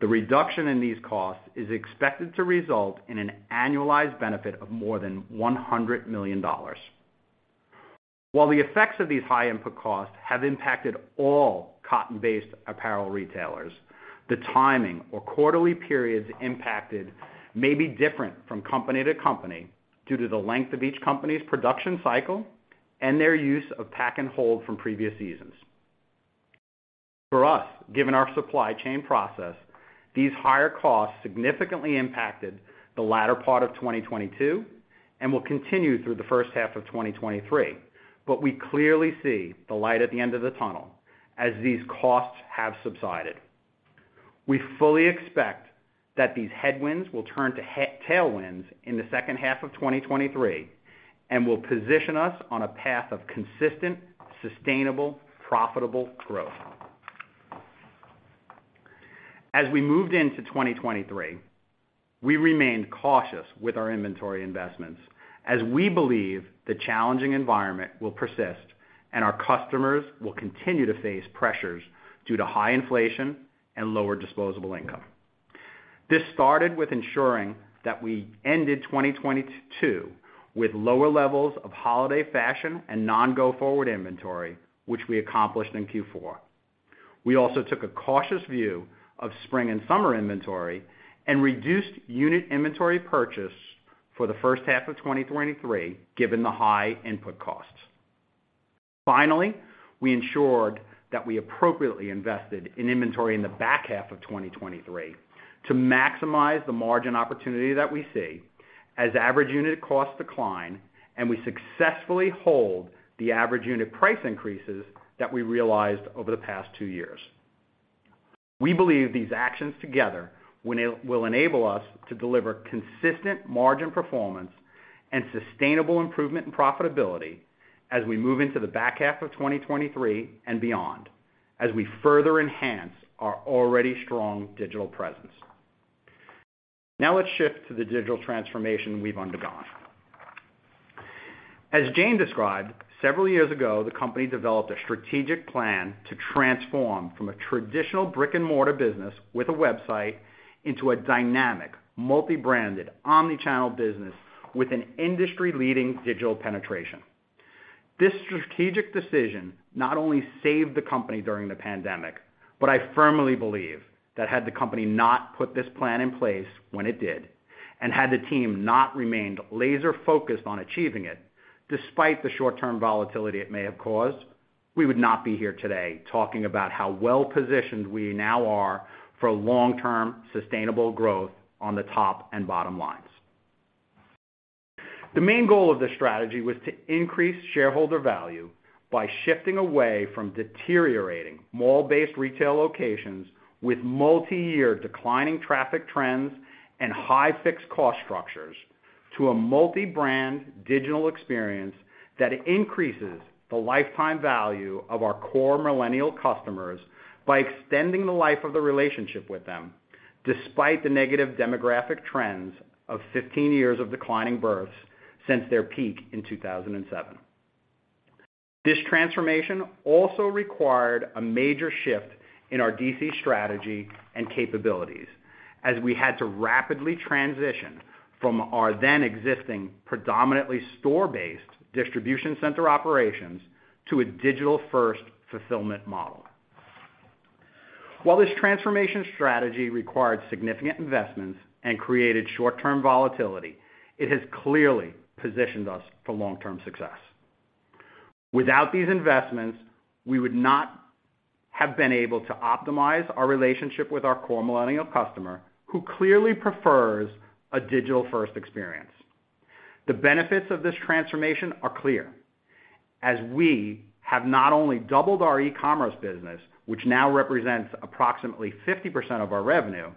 2023, the reduction in these costs is expected to result in an annualized benefit of more than $100 million. While the effects of these high input costs have impacted all cotton-based apparel retailers, the timing or quarterly periods impacted may be different from company to company due to the length of each company's production cycle and their use of pack-and-hold from previous seasons. For us, given our supply chain process, these higher costs significantly impacted the latter part of 2022 and will continue through the first half of 2023. We clearly see the light at the end of the tunnel as these costs have subsided. We fully expect that these headwinds will turn to tailwinds in the second half of 2023 and will position us on a path of consistent, sustainable, profitable growth. We moved into 2023, we remained cautious with our inventory investments as we believe the challenging environment will persist and our customers will continue to face pressures due to high inflation and lower disposable income. This started with ensuring that we ended 2022 with lower levels of holiday fashion and non-go-forward inventory, which we accomplished in Q4. We also took a cautious view of spring and summer inventory and reduced unit inventory purchase for the first half of 2023, given the high input costs. We ensured that we appropriately invested in inventory in the back half of 2023 to maximize the margin opportunity that we see as average unit costs decline and we successfully hold the average unit price increases that we realized over the past two years. We believe these actions together will enable us to deliver consistent margin performance and sustainable improvement in profitability as we move into the back half of 2023 and beyond, as we further enhance our already strong digital presence. Let's shift to the digital transformation we've undergone. As Jane described, several years ago, the company developed a strategic plan to transform from a traditional brick-and-mortar business with a website into a dynamic, multi-branded, omnichannel business with an industry-leading digital penetration. This strategic decision not only saved the company during the pandemic, but I firmly believe that had the company not put this plan in place when it did, and had the team not remained laser-focused on achieving it, despite the short-term volatility it may have caused, we would not be here today talking about how well-positioned we now are for long-term sustainable growth on the top and bottom lines. The main goal of this strategy was to increase shareholder value by shifting away from deteriorating mall-based retail locations with multiyear declining traffic trends and high fixed cost structures to a multi-brand digital experience that increases the lifetime value of our core Millennial customers by extending the life of the relationship with them, despite the negative demographic trends of 15 years of declining births since their peak in 2007. This transformation also required a major shift in our DC strategy and capabilities as we had to rapidly transition from our then existing predominantly store-based distribution center operations to a digital-first fulfillment model. While this transformation strategy required significant investments and created short-term volatility, it has clearly positioned us for long-term success. Without these investments, we would not have been able to optimize our relationship with our core Millennial customer, who clearly prefers a digital-first experience. The benefits of this transformation are clear as we have not only doubled our e-commerce business, which now represents approximately 50% of our revenue,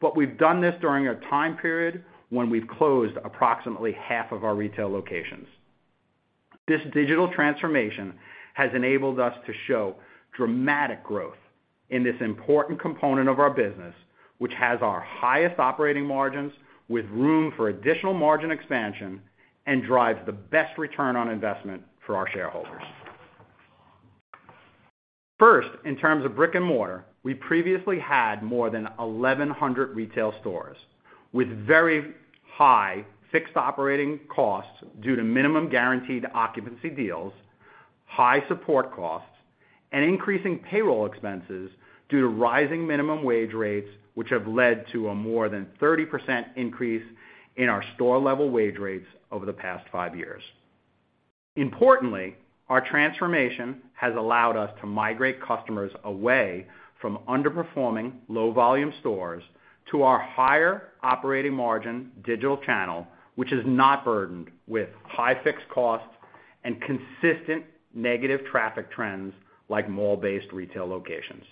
but we've done this during a time period when we've closed approximately half of our retail locations. This digital transformation has enabled us to show dramatic growth in this important component of our business, which has our highest operating margins with room for additional margin expansion and drives the best return on investment for our shareholders. First, in terms of brick and mortar, we previously had more than 1,100 retail stores with very high fixed operating costs due to minimum guaranteed occupancy deals, high support costs, and increasing payroll expenses due to rising minimum wage rates, which have led to a more than 30% increase in our store-level wage rates over the past five years. Importantly, our transformation has allowed us to migrate customers away from underperforming low volume stores to our higher operating margin digital channel, which is not burdened with high fixed costs and consistent negative traffic trends like mall-based retail locations.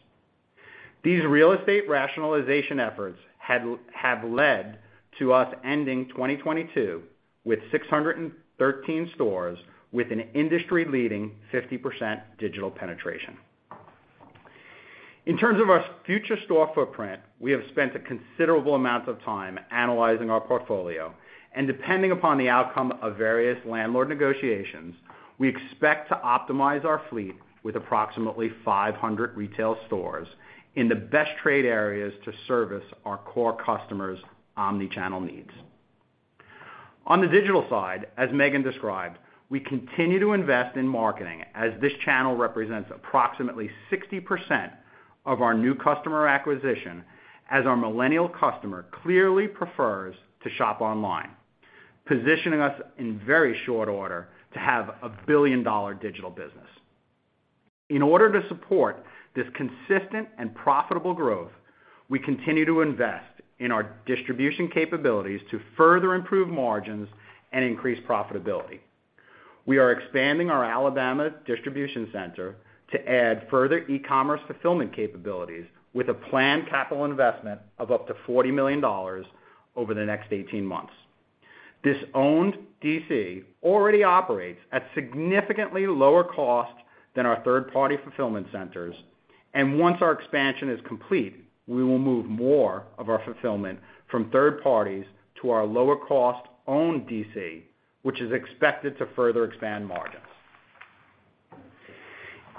These real estate rationalization efforts have led to us ending 2022 with 613 stores with an industry-leading 50% digital penetration. In terms of our future store footprint, we have spent a considerable amount of time analyzing our portfolio, and depending upon the outcome of various landlord negotiations, we expect to optimize our fleet with approximately 500 retail stores in the best trade areas to service our core customers' omnichannel needs. On the digital side, as Maegan described, we continue to invest in marketing as this channel represents approximately 60% of our new customer acquisition as our Millennial customer clearly prefers to shop online, positioning us in very short order to have a billion-dollar digital business. In order to support this consistent and profitable growth, we continue to invest in our distribution capabilities to further improve margins and increase profitability. We are expanding our Alabama distribution center to add further e-commerce fulfillment capabilities with a planned capital investment of up to $40 million over the next 18 months. This owned DC already operates at significantly lower cost than our third-party fulfillment centers, and once our expansion is complete, we will move more of our fulfillment from third parties to our lower cost-owned DC, which is expected to further expand margins.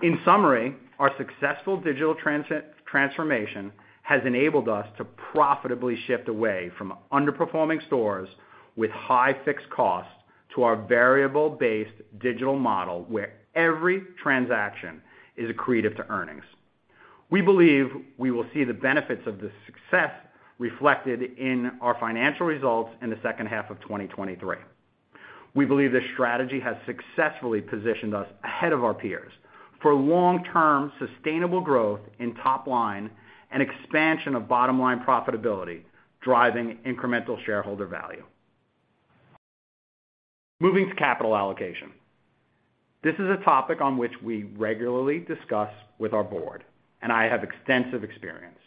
In summary, our successful digital transformation has enabled us to profitably shift away from underperforming stores with high fixed costs to our variable-based digital model, where every transaction is accretive to earnings. We believe we will see the benefits of this success reflected in our financial results in the second half of 2023. We believe this strategy has successfully positioned us ahead of our peers for long-term sustainable growth in top line and expansion of bottom-line profitability, driving incremental shareholder value. Moving to capital allocation. This is a topic on which we regularly discuss with our board, and I have extensive experience.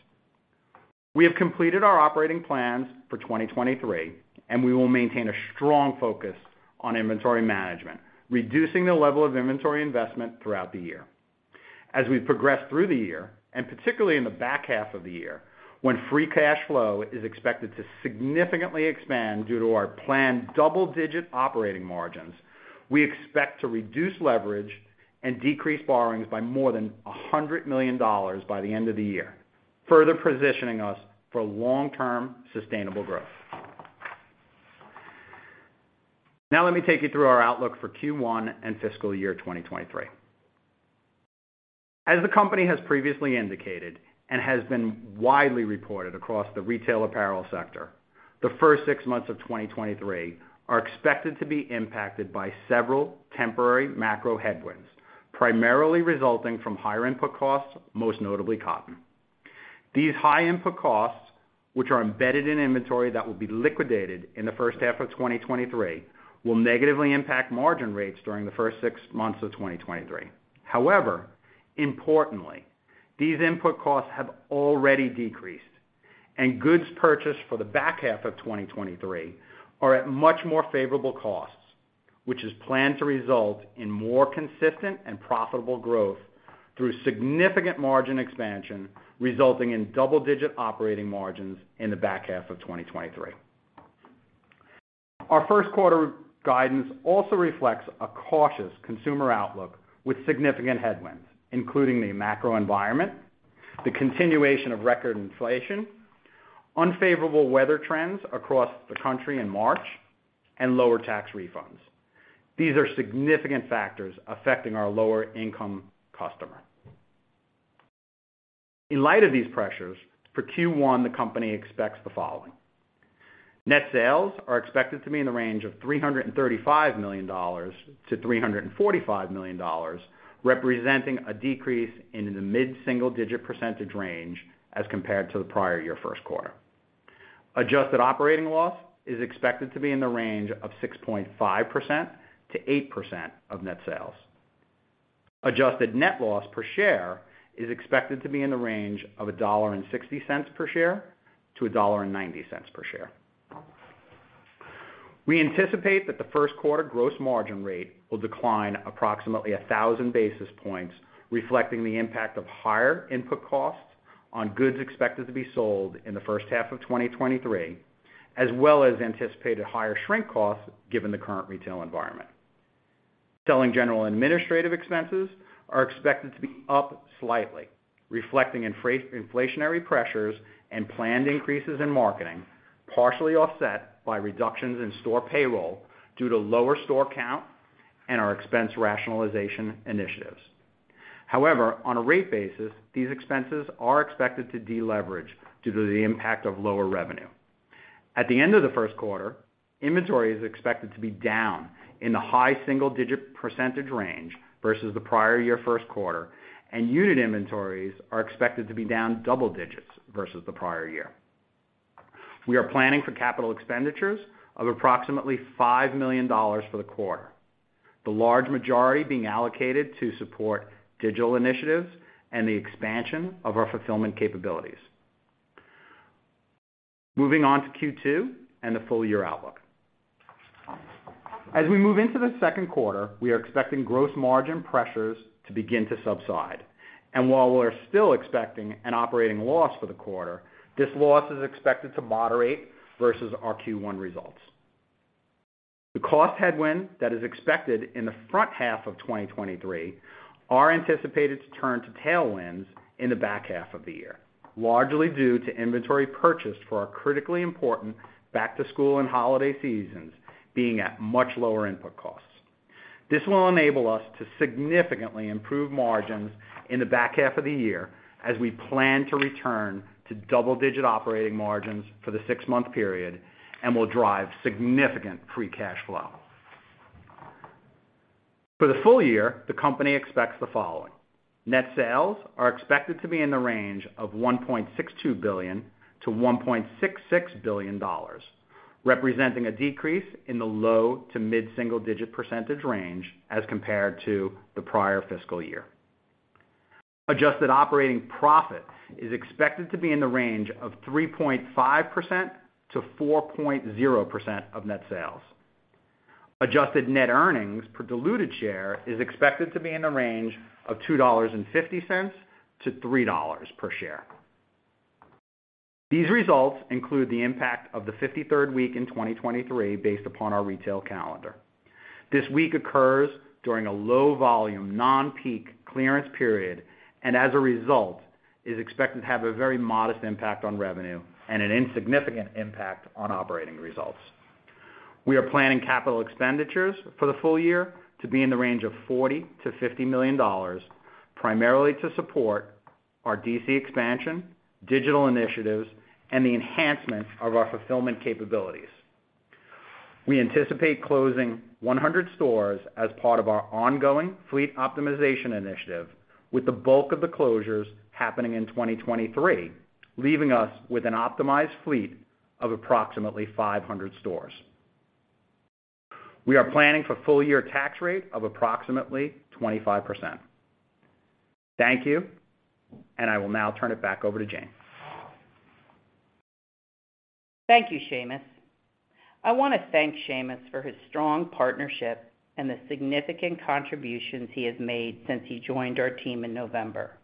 We have completed our operating plans for 2023, and we will maintain a strong focus on inventory management, reducing the level of inventory investment throughout the year. As we progress through the year, and particularly in the back half of the year, when free cash flow is expected to significantly expand due to our planned double-digit operating margins, we expect to reduce leverage and decrease borrowings by more than $100 million by the end of the year, further positioning us for long-term sustainable growth. Now, let me take you through our outlook for Q1 and fiscal year 2023. As the company has previously indicated and has been widely reported across the retail apparel sector, the first six months of 2023 are expected to be impacted by several temporary macro headwinds, primarily resulting from higher input costs, most notably cotton. These high input costs, which are embedded in inventory that will be liquidated in the first half of 2023, will negatively impact margin rates during the first six months of 2023. Importantly, these input costs have already decreased, and goods purchased for the back half of 2023 are at much more favorable costs, which is planned to result in more consistent and profitable growth through significant margin expansion, resulting in double-digit operating margins in the back half of 2023. Our first quarter guidance also reflects a cautious consumer outlook with significant headwinds, including the macro environment, the continuation of record inflation, unfavorable weather trends across the country in March, and lower tax refunds. These are significant factors affecting our lower income customer. In light of these pressures, for Q1, the company expects the following. Net sales are expected to be in the range of $335 million-$345 million, representing a decrease in the mid-single-digit percentage range as compared to the prior year first quarter. Adjusted operating loss is expected to be in the range of 6.5%-8% of net sales. Adjusted net loss per share is expected to be in the range of $1.60 per share-$1.90 per share. We anticipate that the first quarter gross margin rate will decline approximately 1,000 basis points, reflecting the impact of higher input costs on goods expected to be sold in the first half of 2023, as well as anticipated higher shrink costs given the current retail environment. Selling, general, and administrative expenses are expected to be up slightly, reflecting inflationary pressures and planned increases in marketing, partially offset by reductions in store payroll due to lower store count and our expense rationalization initiatives. However, on a rate basis, these expenses are expected to deleverage due to the impact of lower revenue. At the end of the first quarter, inventory is expected to be down in the high-single-digit percentage range versus the prior year first quarter, and unit inventories are expected to be down double digits versus the prior year. We are planning for capital expenditures of approximately $5 million for the quarter, the large majority being allocated to support digital initiatives and the expansion of our fulfillment capabilities. Moving on to Q2 and the full year outlook. As we move into the second quarter, we are expecting gross margin pressures to begin to subside. While we're still expecting an operating loss for the quarter, this loss is expected to moderate versus our Q1 results. The cost headwind that is expected in the front half of 2023 are anticipated to turn to tailwinds in the back half of the year, largely due to inventory purchased for our critically important back to school and holiday seasons being at much lower input costs. This will enable us to significantly improve margins in the back half of the year as we plan to return to double-digit operating margins for the six-month period and will drive significant free cash flow. For the full year, the company expects the following. Net sales are expected to be in the range of $1.62 billion-$1.66 billion, representing a decrease in the low- to mid-single-digit percentage range as compared to the prior fiscal year. Adjusted operating profit is expected to be in the range of 3.5%-4.0% of net sales. Adjusted net earnings per diluted share is expected to be in the range of $2.50-$3 per share. These results include the impact of the 53rd week in 2023 based upon our retail calendar. This week occurs during a low volume, non-peak clearance period and, as a result, is expected to have a very modest impact on revenue and an insignificant impact on operating results. We are planning capital expenditures for the full year to be in the range of $40 million-$50 million, primarily to support our DC expansion, digital initiatives, and the enhancement of our fulfillment capabilities. We anticipate closing 100 stores as part of our ongoing fleet optimization initiative, with the bulk of the closures happening in 2023, leaving us with an optimized fleet of approximately 500 stores. We are planning for full year tax rate of approximately 25%. Thank you. I will now turn it back over to Jane. Thank you, Sheamus. I wanna thank Sheamus for his strong partnership and the significant contributions he has made since he joined our team in November.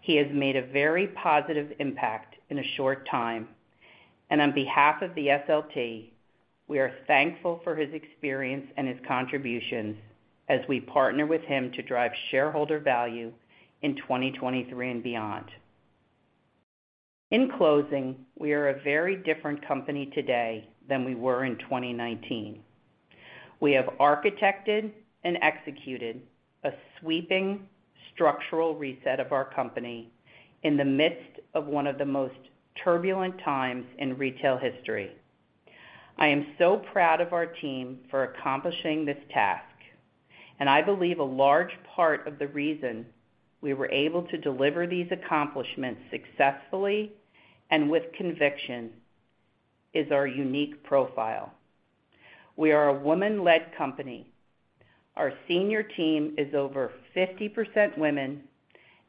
He has made a very positive impact in a short time, on behalf of the SLT, we are thankful for his experience and his contributions as we partner with him to drive shareholder value in 2023 and beyond. In closing, we are a very different company today than we were in 2019. We have architected and executed a sweeping structural reset of our company in the midst of one of the most turbulent times in retail history. I am so proud of our team for accomplishing this task, I believe a large part of the reason we were able to deliver these accomplishments successfully and with conviction is our unique profile. We are a woman-led company. Our senior team is over 50% women.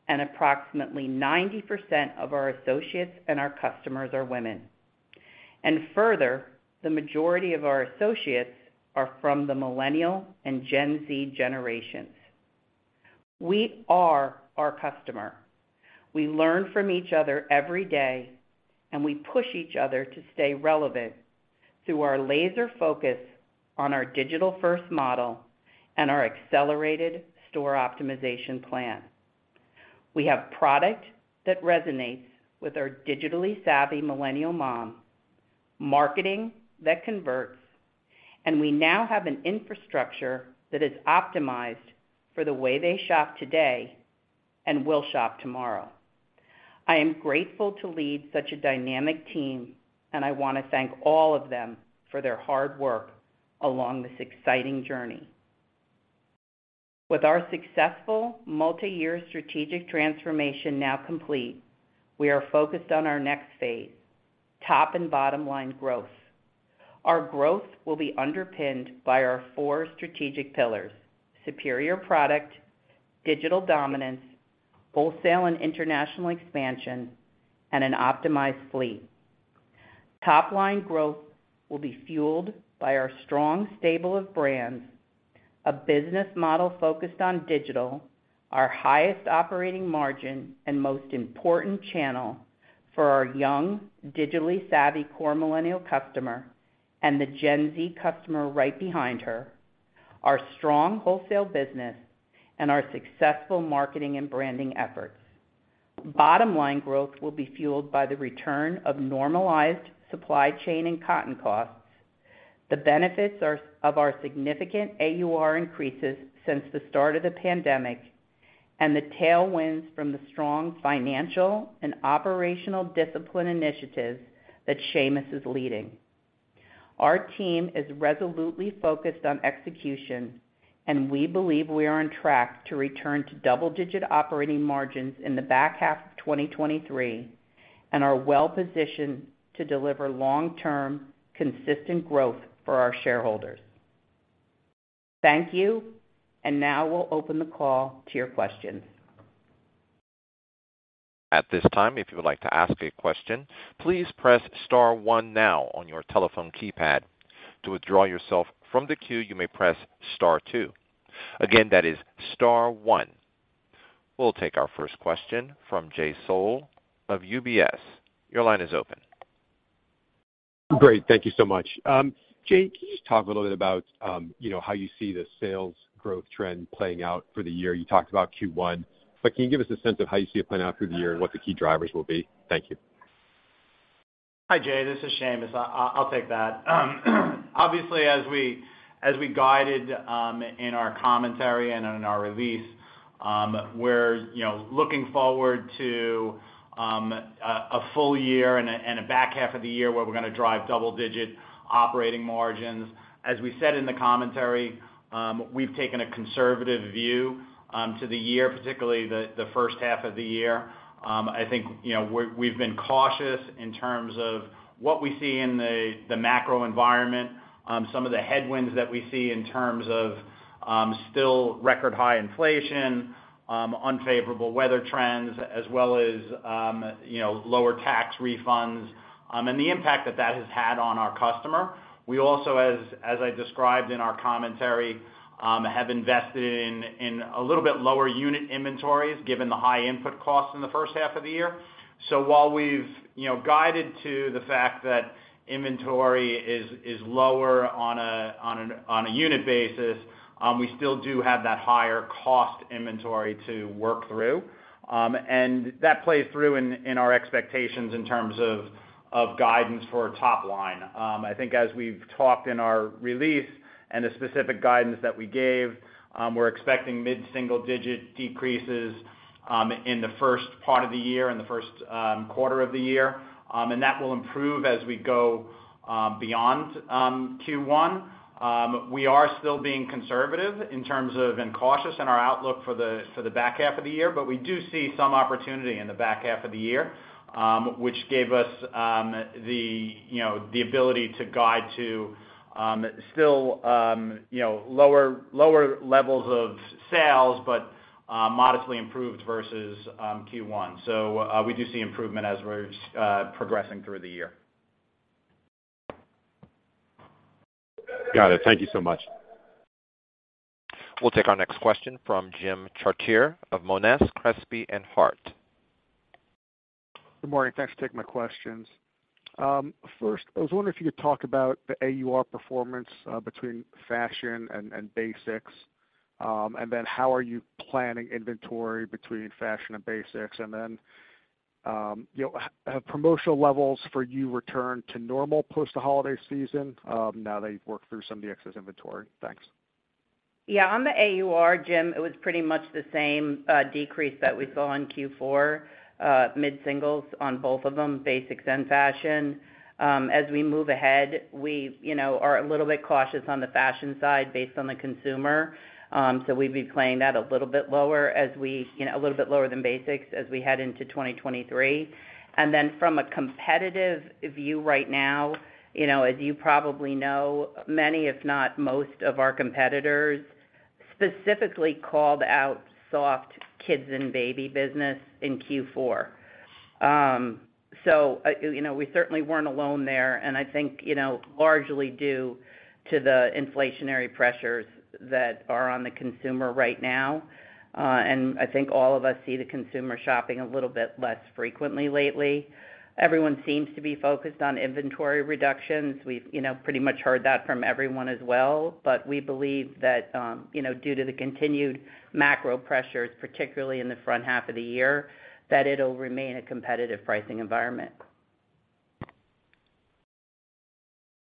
Approximately 90% of our associates and our customers are women. Further, the majority of our associates are from the Millennial and Gen Z generations. We are our customer. We learn from each other every day. We push each other to stay relevant through our laser focus on our digital first model and our accelerated store optimization plan. We have product that resonates with our digitally savvy Millennial mom, marketing that converts. We now have an infrastructure that is optimized for the way they shop today and will shop tomorrow. I am grateful to lead such a dynamic team. I wanna thank all of them for their hard work along this exciting journey. With our successful multiyear strategic transformation now complete, we are focused on our next phase, top and bottom line growth. Our growth will be underpinned by our four strategic pillars, superior product, digital dominance, wholesale and international expansion, and an optimized fleet. Top line growth will be fueled by our strong stable of brands, a business model focused on digital, our highest operating margin, and most important channel for our young, digitally savvy core Millennial customer and the Gen Z customer right behind her, our strong wholesale business and our successful marketing and branding efforts. Bottom line growth will be fueled by the return of normalized supply chain and cotton costs. The benefits of our significant AUR increases since the start of the pandemic, and the tailwinds from the strong financial and operational discipline initiatives that Sheamus is leading. Our team is resolutely focused on execution. We believe we are on track to return to double-digit operating margins in the back half of 2023 and are well-positioned to deliver long-term consistent growth for our shareholders. Thank you. Now we'll open the call to your questions. At this time, if you would like to ask a question, please press star one now on your telephone keypad. To withdraw yourself from the queue, you may press star two. Again, that is star one. We'll take our first question from Jay Sole of UBS. Your line is open. Great. Thank you so much. Jane, can you just talk a little bit about, you know, how you see the sales growth trend playing out for the year? You talked about Q1, but can you give us a sense of how you see it playing out through the year and what the key drivers will be? Thank you. Hi, Jay. This is Sheamus. I'll take that. Obviously, as we guided, in our commentary and in our release, we're, you know, looking forward to a full year and a back half of the year where we're gonna drive double-digit operating margins. As we said in the commentary, we've taken a conservative view to the year, particularly the first half of the year. I think, you know, we've been cautious in terms of what we see in the macro environment, some of the headwinds that we see in terms of still record high inflation, unfavorable weather trends, as well as, you know, lower tax refunds, and the impact that that has had on our customer. We also, as I described in our commentary, have invested in a little bit lower unit inventories, given the high input costs in the first half of the year. While we've, you know, guided to the fact that inventory is lower on a unit basis, we still do have that higher cost inventory to work through. That plays through in our expectations in terms of guidance for our top line. I think as we've talked in our release and the specific guidance that we gave, we're expecting mid-single-digit decreases in the first part of the year, in the first quarter of the year, and that will improve as we go beyond Q1. We are still being conservative in terms of and cautious in our outlook for the back half of the year, but we do see some opportunity in the back half of the year, which gave us the, you know, the ability to guide to still, you know, lower levels of sales, but modestly improved versus Q1. We do see improvement as we're progressing through the year. Got it. Thank you so much. We'll take our next question from Jim Chartier of Monness, Crespi, Hardt. Good morning. Thanks for taking my questions. First, I was wondering if you could talk about the AUR performance between fashion and basics. How are you planning inventory between fashion and basics? You know, have promotional levels for you return to normal post the holiday season, now that you've worked through some of the excess inventory? Thanks. Yeah. On the AUR, Jim, it was pretty much the same decrease that we saw in Q4, mid-singles on both of them, basics and fashion. As we move ahead, we've, you know, are a little bit cautious on the fashion side based on the consumer. We'd be playing that a little bit lower as we, you know, a little bit lower than basics as we head into 2023. From a competitive view right now, you know, as you probably know, many, if not most of our competitors specifically called out soft kids and baby business in Q4. You know, we certainly weren't alone there. I think, you know, largely due to the inflationary pressures that are on the consumer right now, I think all of us see the consumer shopping a little bit less frequently lately. Everyone seems to be focused on inventory reductions. We've, you know, pretty much heard that from everyone as well. We believe that, you know, due to the continued macro pressures, particularly in the front half of the year, that it'll remain a competitive pricing environment.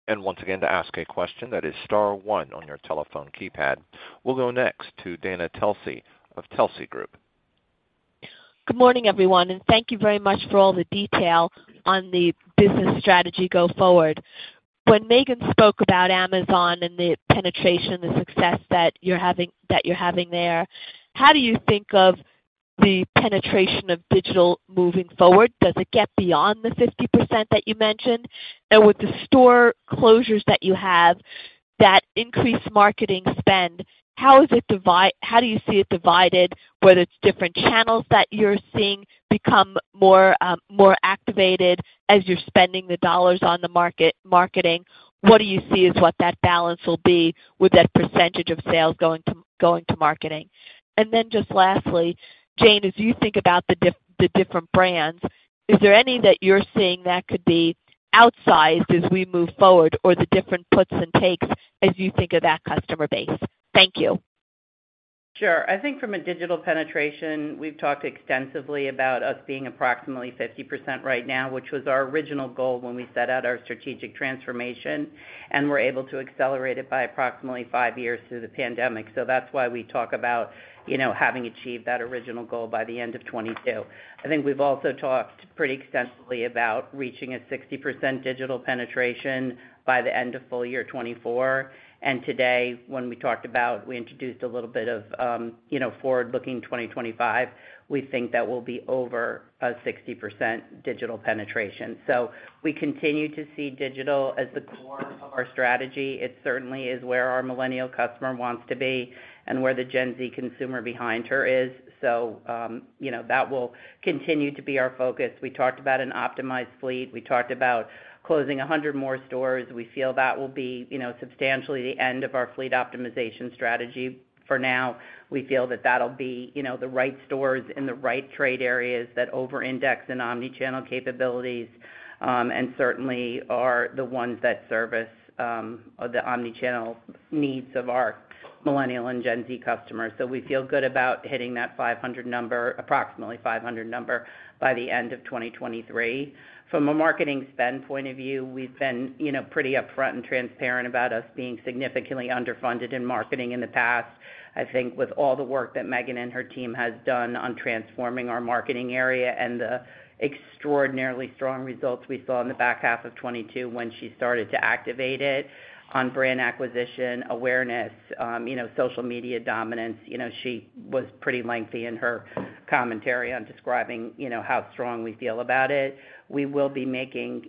Once again to ask a question that is star one on your telephone keypad. We'll go next to Dana Telsey of Telsey Group. Good morning, everyone, and thank you very much for all the detail on the business strategy go forward. When Maegan spoke about Amazon and the penetration and success that you're having there, how do you think of the penetration of digital moving forward? Does it get beyond the 50% that you mentioned? With the store closures that you have that increase marketing spend, how do you see it divided, whether it's different channels that you're seeing become more activated as you're spending the dollars on the marketing, what do you see is what that balance will be with that percentage of sales going to marketing? Just lastly, Jane, as you think about the different brands, is there any that you're seeing that could be outsized as we move forward or the different puts and takes as you think of that customer base? Thank you. Sure. I think from a digital penetration, we've talked extensively about us being approximately 50% right now, which was our original goal when we set out our strategic transformation, and we're able to accelerate it by approximately five years through the pandemic. That's why we talk about, you know, having achieved that original goal by the end of 2022. I think we've also talked pretty extensively about reaching a 60% digital penetration by the end of full year 2024. Today, when we introduced a little bit of, you know, forward-looking 2025, we think that will be over a 60% digital penetration. We continue to see digital as the core of our strategy. It certainly is where our Millennial customer wants to be and where the Gen Z consumer behind her is. You know, that will continue to be our focus. We talked about an optimized fleet. We talked about closing 100 more stores. We feel that will be, you know, substantially the end of our fleet optimization strategy. For now, we feel that that'll be, you know, the right stores in the right trade areas that over-index in omnichannel capabilities, and certainly are the ones that service the omnichannel needs of our Millennial and Gen Z customers. We feel good about hitting that 500 number, approximately 500 number by the end of 2023. From a marketing spend point of view, we've been, you know, pretty upfront and transparent about us being significantly underfunded in marketing in the past. I think with all the work that Maegan and her team has done on transforming our marketing area and the extraordinarily strong results we saw in the back half of 2022 when she started to activate it on brand acquisition, awareness, you know, social media dominance. You know, she was pretty lengthy in her commentary on describing, you know, how strong we feel about it. We will be making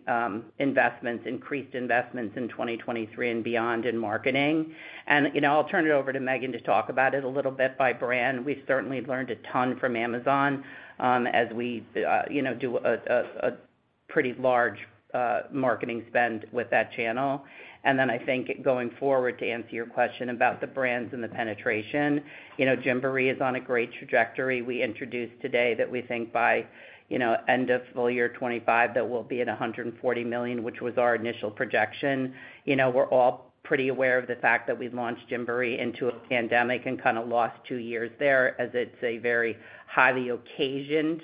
investments, increased investments in 2023 and beyond in marketing. You know, I'll turn it over to Maegan to talk about it a little bit by brand. We've certainly learned a ton from Amazon, as we, you know, do a pretty large marketing spend with that channel. Then I think going forward, to answer your question about the brands and the penetration, you know, Gymboree is on a great trajectory. We introduced today that we think by, you know, end of full year 2025, that we'll be at $140 million, which was our initial projection. You know, we're all pretty aware of the fact that we've launched Gymboree into a pandemic and kinda lost two years there as it's a very highly occasioned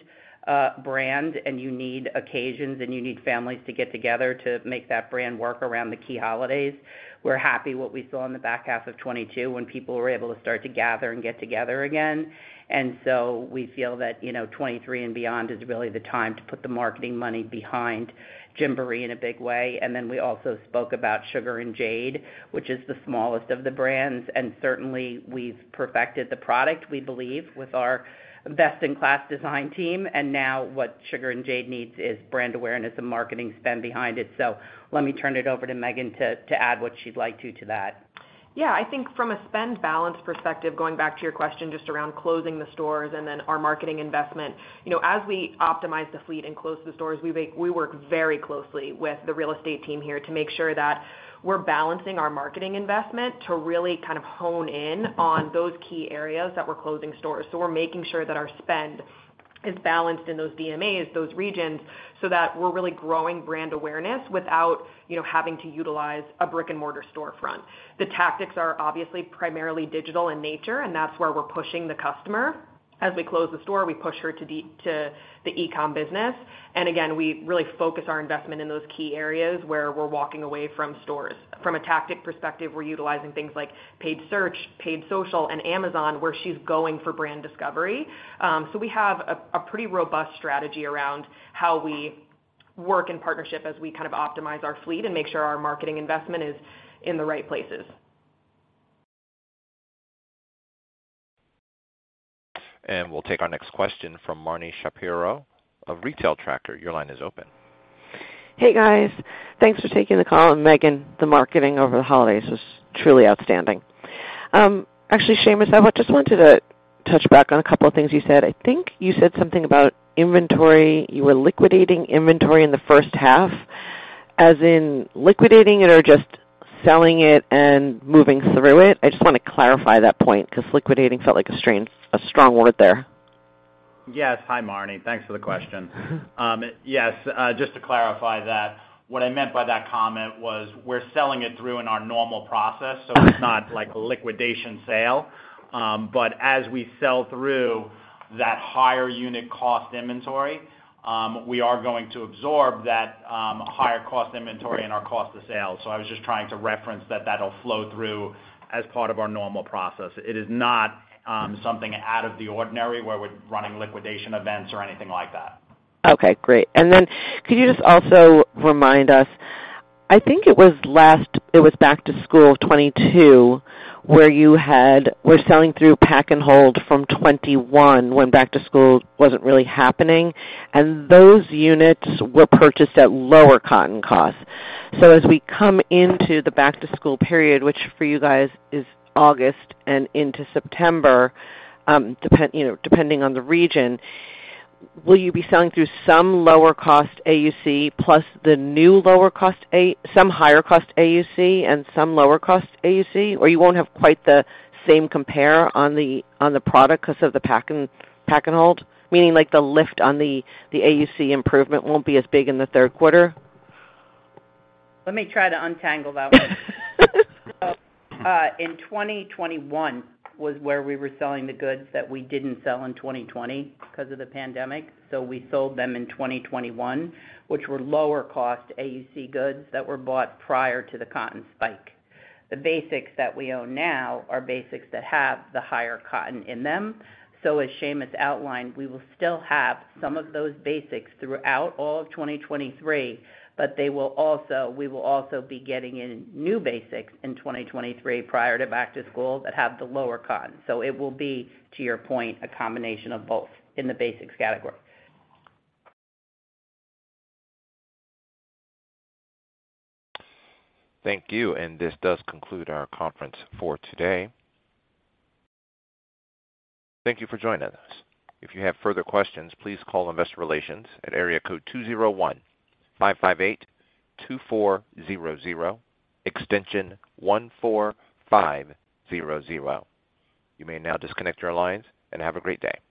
brand, and you need occasions, and you need families to get together to make that brand work around the key holidays. We're happy what we saw in the back half of 2022 when people were able to start to gather and get together again. So we feel that, you know, 2023 and beyond is really the time to put the marketing money behind Gymboree in a big way. We also spoke about Sugar & Jade, which is the smallest of the brands, and certainly we've perfected the product, we believe, with our best-in-class design team. What Sugar & Jade needs is brand awareness and marketing spend behind it. Let me turn it over to Maegan to add what she'd like to that. Yeah, I think from a spend balance perspective, going back to your question just around closing the stores and then our marketing investment. You know, as we optimize the fleet and close the stores, we work very closely with the real estate team here to make sure that we're balancing our marketing investment to really kind of hone in on those key areas that we're closing stores. We're making sure that our spend is balanced in those DMAs, those regions, so that we're really growing brand awareness without, you know, having to utilize a brick-and-mortar storefront. The tactics are obviously primarily digital in nature, and that's where we're pushing the customer. As we close the store, we push her to the e-com business. Again, we really focus our investment in those key areas where we're walking away from stores. From a tactic perspective, we're utilizing things like paid search, paid social, and Amazon, where she's going for brand discovery. So we have a pretty robust strategy around how we work in partnership as we kind of optimize our fleet and make sure our marketing investment is in the right places. We'll take our next question from Marni Shapiro of The Retail Tracker. Your line is open. Hey guys, thanks for taking the call. Maegan, the marketing over the holidays was truly outstanding. Actually, Sheamus, I just wanted to touch back on a couple of things you said. I think you said something about inventory. You were liquidating inventory in the first half, as in liquidating it or just selling it and moving through it? I just wanna clarify that point because liquidating felt like a strong word there. Yes. Hi, Marni. Thanks for the question. Yes, just to clarify that, what I meant by that comment was we're selling it through in our normal process, so it's not like a liquidation sale. As we sell through that higher unit cost inventory, we are going to absorb that higher cost inventory and our cost of sales. I was just trying to reference that that'll flow through as part of our normal process. It is not something out of the ordinary where we're running liquidation events or anything like that. Okay, great. Then could you just also remind us, I think it was back to school 2022 where you were selling through pack-and-hold from 2021 when back to school wasn't really happening, and those units were purchased at lower cotton costs. As we come into the back to school period, which for you guys is August and into September, you know, depending on the region, will you be selling through some lower cost AUC plus the new lower cost? Some higher cost AUC and some lower cost AUC, or you won't have quite the same compare on the product 'cause of the pack-and-hold? Meaning like the lift on the AUC improvement won't be as big in the third quarter. Let me try to untangle that one. In 2021 was where we were selling the goods that we didn't sell in 2020 because of the pandemic. We sold them in 2021, which were lower cost AUC goods that were bought prior to the cotton spike. The basics that we own now are basics that have the higher cotton in them. As Sheamus outlined, we will still have some of those basics throughout all of 2023, but we will also be getting in new basics in 2023 prior to back to school that have the lower cotton. It will be, to your point, a combination of both in the basics category. Thank you. This does conclude our conference for today. Thank you for joining us. If you have further questions, please call investor relations at area code 201 558 2400, extension 14500. You may now disconnect your lines and have a great day.